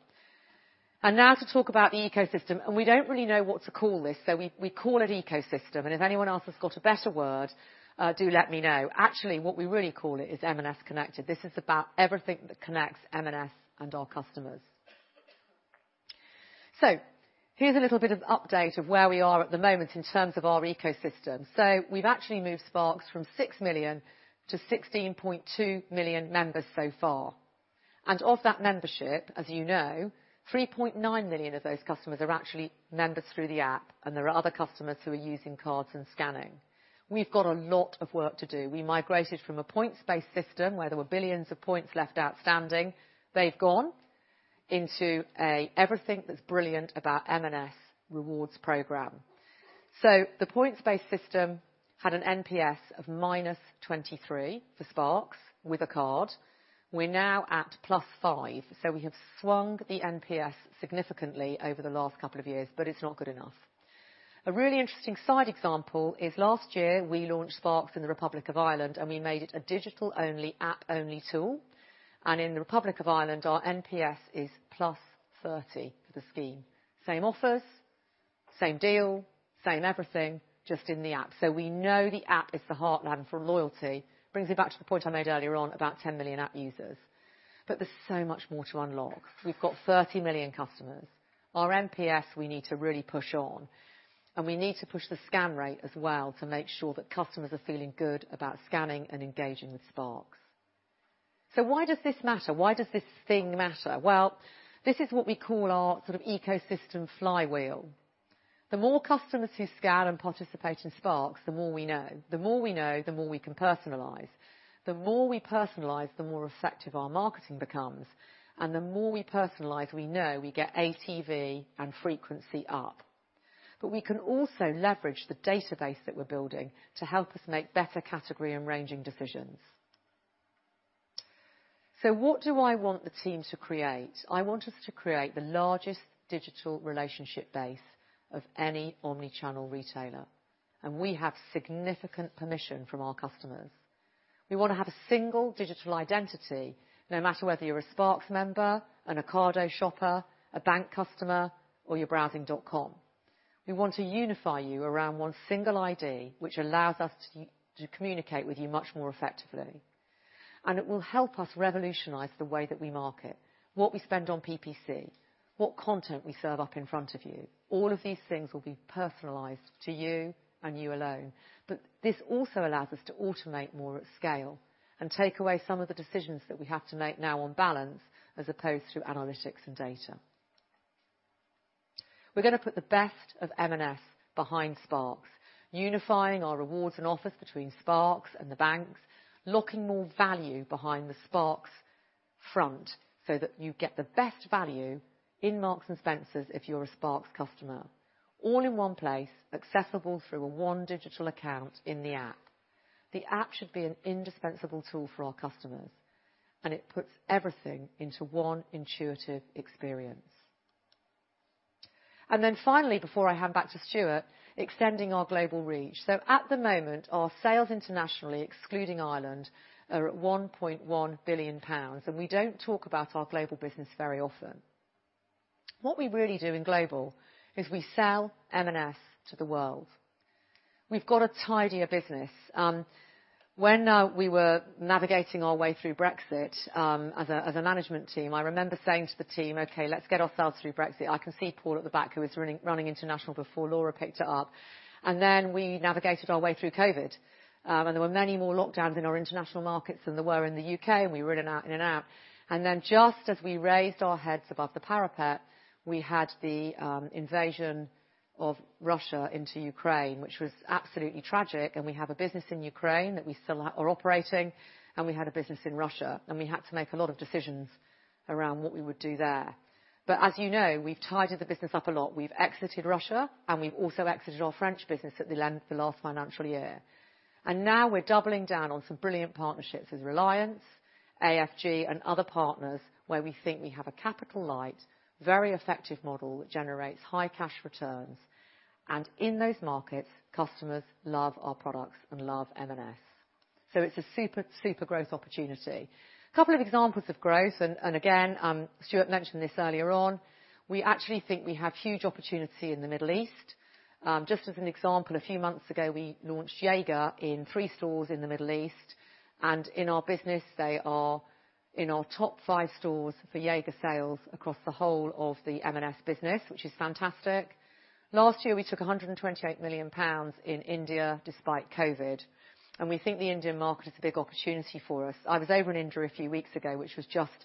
Now to talk about the ecosystem. We don't really know what to call this, so we call it ecosystem. If anyone else has got a better word, do let me know. Actually, what we really call it is M&S Connected. This is about everything that connects M&S and our customers. Here's a little bit of update of where we are at the moment in terms of our ecosystem. We've actually moved Sparks from 6 million to 16.2 million members so far. Of that membership, as you know, 3.9 million of those customers are actually members through the app, and there are other customers who are using cards and scanning. We've got a lot of work to do. We migrated from a points-based system where there were billions of points left outstanding. They've gone into a everything that's brilliant about M&S rewards program. The points-based system had an NPS of -23 for Sparks with a card. We're now at +5. We have swung the NPS significantly over the last couple of years, but it's not good enough. A really interesting side example is last year, we launched Sparks in the Republic of Ireland, and we made it a digital only, app only tool. In the Republic of Ireland, our NPS is 30+ for the scheme. Same offers, same deal, same everything, just in the app. We know the app is the heartland for loyalty. Brings me back to the point I made earlier on about 10 million app users. There's so much more to unlock. We've got 30 million customers. Our NPS, we need to really push on, and we need to push the scan rate as well to make sure that customers are feeling good about scanning and engaging with Sparks. Why does this matter? Why does this thing matter? Well, this is what we call our sort of ecosystem flywheel. The more customers who scan and participate in Sparks, the more we know. The more we know, the more we can personalize. The more we personalize, the more effective our marketing becomes. The more we personalize, we know we get ATV and frequency up. We can also leverage the database that we're building to help us make better category and ranging decisions. What do I want the team to create? I want us to create the largest digital relationship base of any omnichannel retailer, and we have significant permission from our customers. We wanna have a single digital identity, no matter whether you're a Sparks member, an Ocado shopper, a bank customer, or you're browsing .com. We want to unify you around one single ID, which allows us to communicate with you much more effectively. It will help us revolutionize the way that we market, what we spend on PPC, what content we serve up in front of you. All of these things will be personalized to you and you alone. This also allows us to automate more at scale and take away some of the decisions that we have to make now on balance as opposed to analytics and data. We're gonna put the best of M&S behind Sparks, unifying our rewards and offers between Sparks and the banks, locking more value behind the Sparks brand front so that you get the best value in Marks & Spencer if you're a Sparks customer, all in one place, accessible through one digital account in the app. The app should be an indispensable tool for our customers, and it puts everything into one intuitive experience. Finally, before I hand back to Stuart, extending our global reach. At the moment, our sales internationally, excluding Ireland, are at 1.1 billion pounds. We don't talk about our global business very often. What we really do in global is we sell M&S to the world. We've got a tidier business. When we were navigating our way through Brexit, as a management team, I remember saying to the team, "Okay, let's get ourselves through Brexit." I can see Paul at the back who was running international before Laura picked it up. We navigated our way through COVID. There were many more lockdowns in our international markets than there were in the UK, and we were in and out, in and out. Just as we raised our heads above the parapet, we had the invasion of Russia into Ukraine, which was absolutely tragic. We have a business in Ukraine that we still are operating, and we had a business in Russia, and we had to make a lot of decisions around what we would do there. As you know, we've tidied the business up a lot. We've exited Russia, and we've also exited our French business at the last financial year. Now we're doubling down on some brilliant partnerships with Reliance, AFG, and other partners where we think we have a capital light, very effective model that generates high cash returns. In those markets, customers love our products and love M&S. It's a super growth opportunity. Couple of examples of growth, and again, Stuart mentioned this earlier on, we actually think we have huge opportunity in the Middle East. Just as an example, a few months ago, we launched Jaeger in three stores in the Middle East, and in our business, they are in our top five stores for Jaeger sales across the whole of the M&S business, which is fantastic. Last year, we took 128 million pounds in India despite COVID, and we think the Indian market is a big opportunity for us. I was over in India a few weeks ago, which was just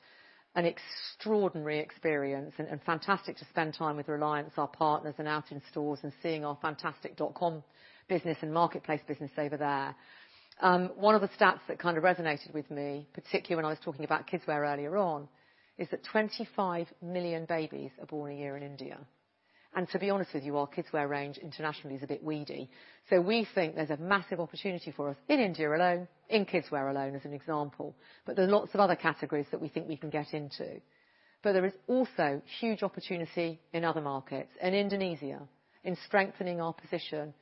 an extraordinary experience and fantastic to spend time with Reliance Retail, our partners, and out in stores and seeing our fantastic dot-com business and marketplace business over there. One of the stats that kind of resonated with me, particularly when I was talking about kid's wear earlier on, is that 25 million babies are born a year in India. To be honest with you, our kid's wear range internationally is a bit weedy. We think there's a massive opportunity for us in India alone, in kid's wear alone, as an example. There are lots of other categories that we think we can get into. There is also huge opportunity in other markets. In Indonesia, in strengthening our position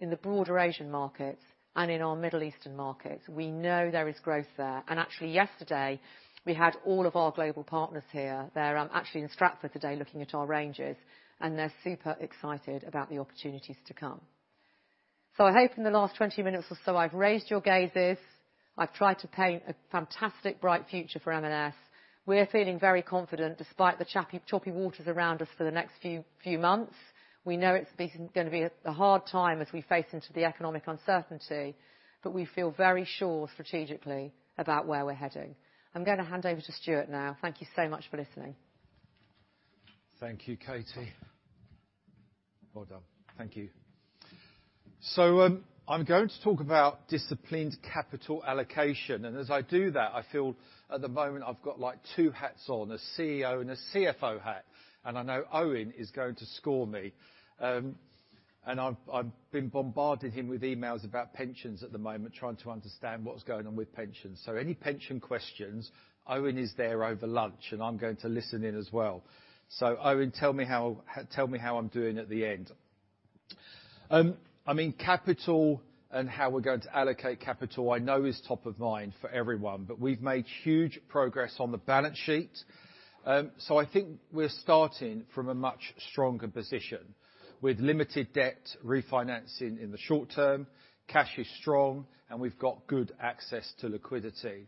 in the broader Asian markets and in our Middle Eastern markets. We know there is growth there. Actually, yesterday, we had all of our global partners here. They're actually in Stratford today looking at our ranges, and they're super excited about the opportunities to come. I hope in the last 20 minutes or so I've raised your gazes. I've tried to paint a fantastic, bright future for M&S. We're feeling very confident despite the choppy waters around us for the next few months. We know it's gonna be a hard time as we face into the economic uncertainty, but we feel very sure strategically about where we're heading. I'm gonna hand over to Stuart now. Thank you so much for listening. Thank you, Katie Bickerstaffe. Well done. Thank you. I'm going to talk about disciplined capital allocation. As I do that, I feel at the moment I've got like two hats on, a CEO and a CFO hat. I know Owen is going to score me. I've been bombarding him with emails about pensions at the moment, trying to understand what's going on with pensions. Any pension questions, Owen is there over lunch, and I'm going to listen in as well. Owen, tell me how I'm doing at the end. I mean, capital and how we're going to allocate capital I know is top of mind for everyone. We've made huge progress on the balance sheet. I think we're starting from a much stronger position with limited debt refinancing in the short term, cash is strong, and we've got good access to liquidity.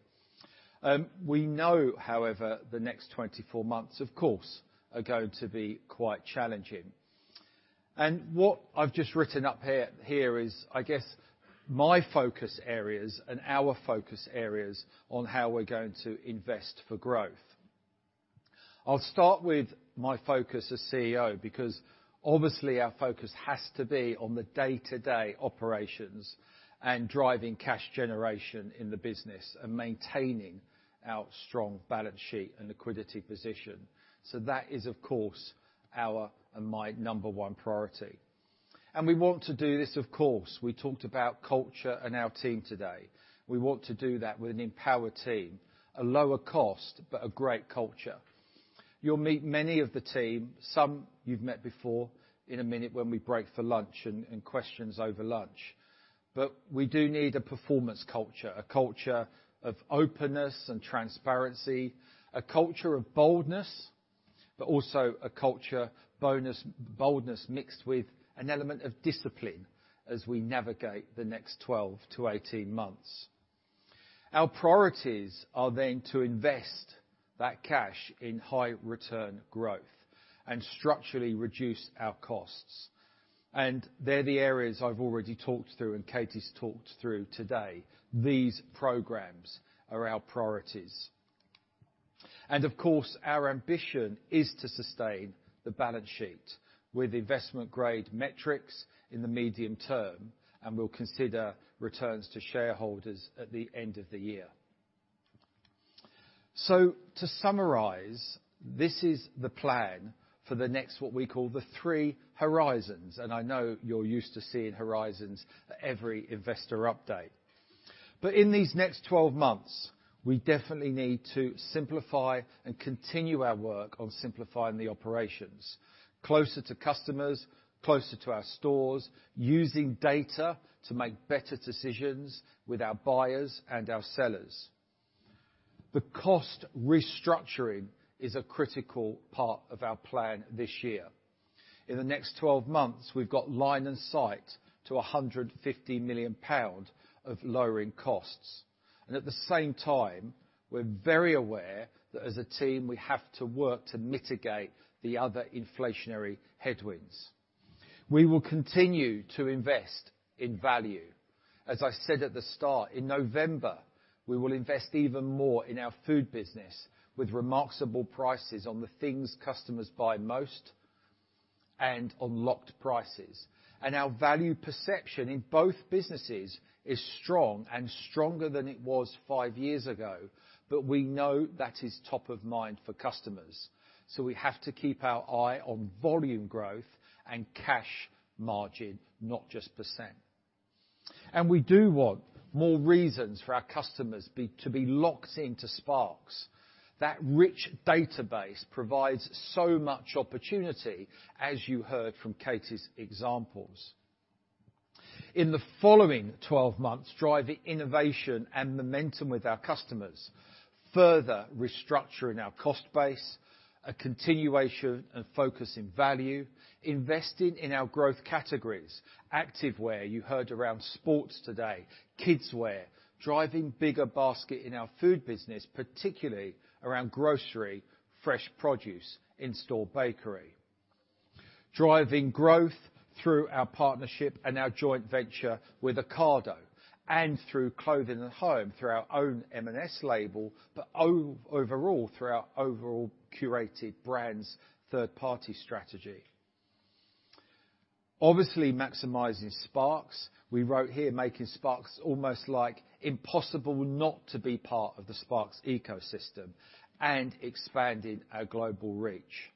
We know, however, the next 24 months, of course, are going to be quite challenging. What I've just written up here is, I guess, my focus areas and our focus areas on how we're going to invest for growth. I'll start with my focus as CEO, because obviously, our focus has to be on the day-to-day operations and driving cash generation in the business and maintaining our strong balance sheet and liquidity position. That is, of course, our and my number one priority. We want to do this, of course. We talked about culture and our team today. We want to do that with an empowered team, a lower cost, but a great culture. You'll meet many of the team, some you've met before, in a minute when we break for lunch and questions over lunch. We do need a performance culture, a culture of openness and transparency, a culture of boldness, but also a culture of boldness mixed with an element of discipline as we navigate the next 12-18 months. Our priorities are then to invest that cash in high return growth and structurally reduce our costs. They're the areas I've already talked through and Katie's talked through today. These programs are our priorities. Of course, our ambition is to sustain the balance sheet with investment-grade metrics in the medium term, and we'll consider returns to shareholders at the end of the year. To summarize, this is the plan for the next, what we call the three horizons. I know you're used to seeing horizons at every investor update. In these next 12 months, we definitely need to simplify and continue our work on simplifying the operations, closer to customers, closer to our stores, using data to make better decisions with our buyers and our sellers. The cost restructuring is a critical part of our plan this year. In the next 12 months, we've got line of sight to 150 million pound of lowering costs. At the same time, we're very aware that as a team, we have to work to mitigate the other inflationary headwinds. We will continue to invest in value. As I said at the start, in November, we will invest even more in our Food business with Remarksable prices on the things customers buy most and on locked prices. Our value perception in both businesses is strong and stronger than it was five years ago, but we know that is top of mind for customers. We have to keep our eye on volume growth and cash margin, not just %. We do want more reasons for our customers to be locked into Sparks. That rich database provides so much opportunity, as you heard from Katie's examples. In the following 12 months, driving innovation and momentum with our customers, further restructuring our cost base, a continuation and focus in value, investing in our growth categories. Activewear, you heard around sports today, kidswear. Driving bigger basket in our Food business, particularly around grocery, fresh produce, in-store bakery. Driving growth through our partnership and our joint venture with Ocado and through Clothing & Home, through our own M&S label, but overall, through our overall curated brands third-party strategy. Obviously, maximizing Sparks. We wrote here, making Sparks almost like impossible not to be part of the Sparks ecosystem and expanding our global reach.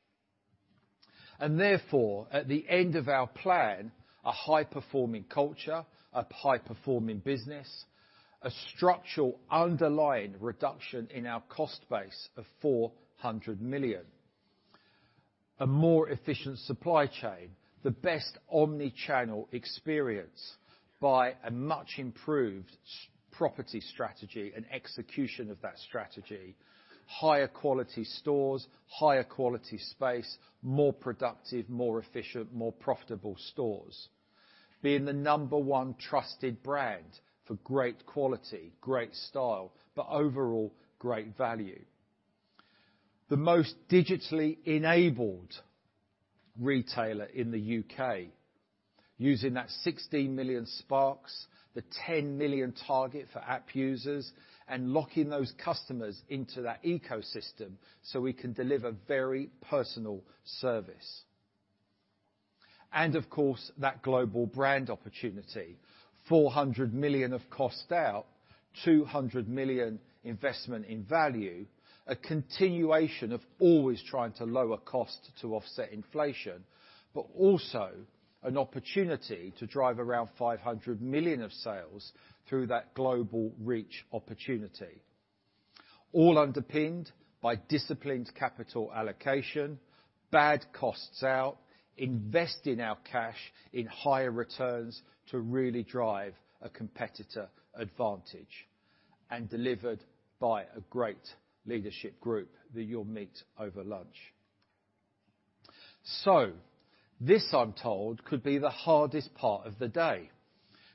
Therefore, at the end of our plan, a high-performing culture, a high-performing business, a structural underlying reduction in our cost base of 400 million, a more efficient supply chain, the best omnichannel experience by a much improved store property strategy and execution of that strategy. Higher quality stores, higher quality space, more productive, more efficient, more profitable stores. Being the number one trusted brand for great quality, great style, but overall, great value. The most digitally enabled retailer in the U.K. using that 16 million Sparks, the 10 million target for app users and locking those customers into that ecosystem, so we can deliver very personal service. Of course, that global brand opportunity, 400 million of cost out, 200 million investment in value, a continuation of always trying to lower cost to offset inflation, but also an opportunity to drive around 500 million of sales through that global reach opportunity. All underpinned by disciplined capital allocation, bad costs out, investing our cash in higher returns to really drive a competitor advantage and delivered by a great leadership group that you'll meet over lunch. This, I'm told, could be the hardest part of the day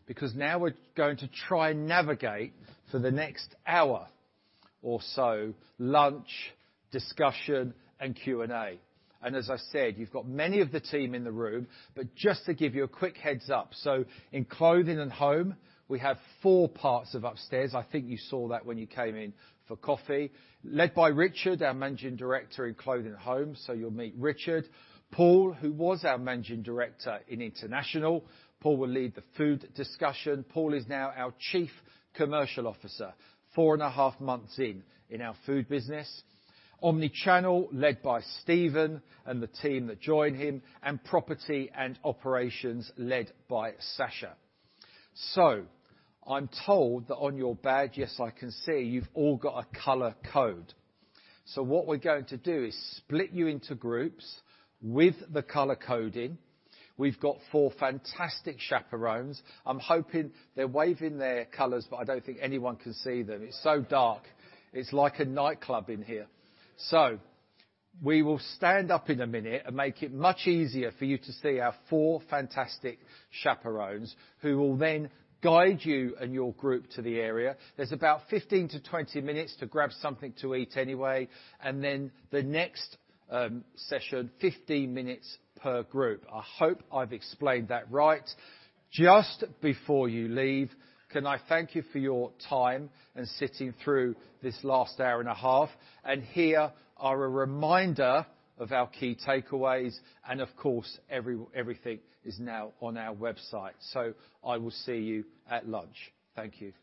because now we're going to try and navigate for the next hour or so, lunch, discussion, and Q&A. As I said, you've got many of the team in the room, but just to give you a quick heads up. In Clothing & Home, we have four partners upstairs. I think you saw that when you came in for coffee. Led by Richard, our managing director in Clothing & Home. You'll meet Richard. Paul, who was our managing director in International. Paul will lead the Food discussion. Paul is now our chief commercial officer, four and a half months in our Food business. Omnichannel, led by Steven and the team that join him. Property and operations, led by Sasha. I'm told that on your badge, yes, I can see, you've all got a color code. What we're going to do is split you into groups with the color coding. We've got four fantastic chaperones. I'm hoping they're waving their colors, but I don't think anyone can see them. It's so dark. It's like a nightclub in here. We will stand up in a minute and make it much easier for you to see our four fantastic chaperones, who will then guide you and your group to the area. There's about 15-20 minutes to grab something to eat anyway, and then the next session, 15 minutes per group. I hope I've explained that right. Just before you leave, can I thank you for your time and sitting through this last hour and a half? Here are a reminder of our key takeaways, and of course, everything is now on our website. I will see you at lunch. Thank you.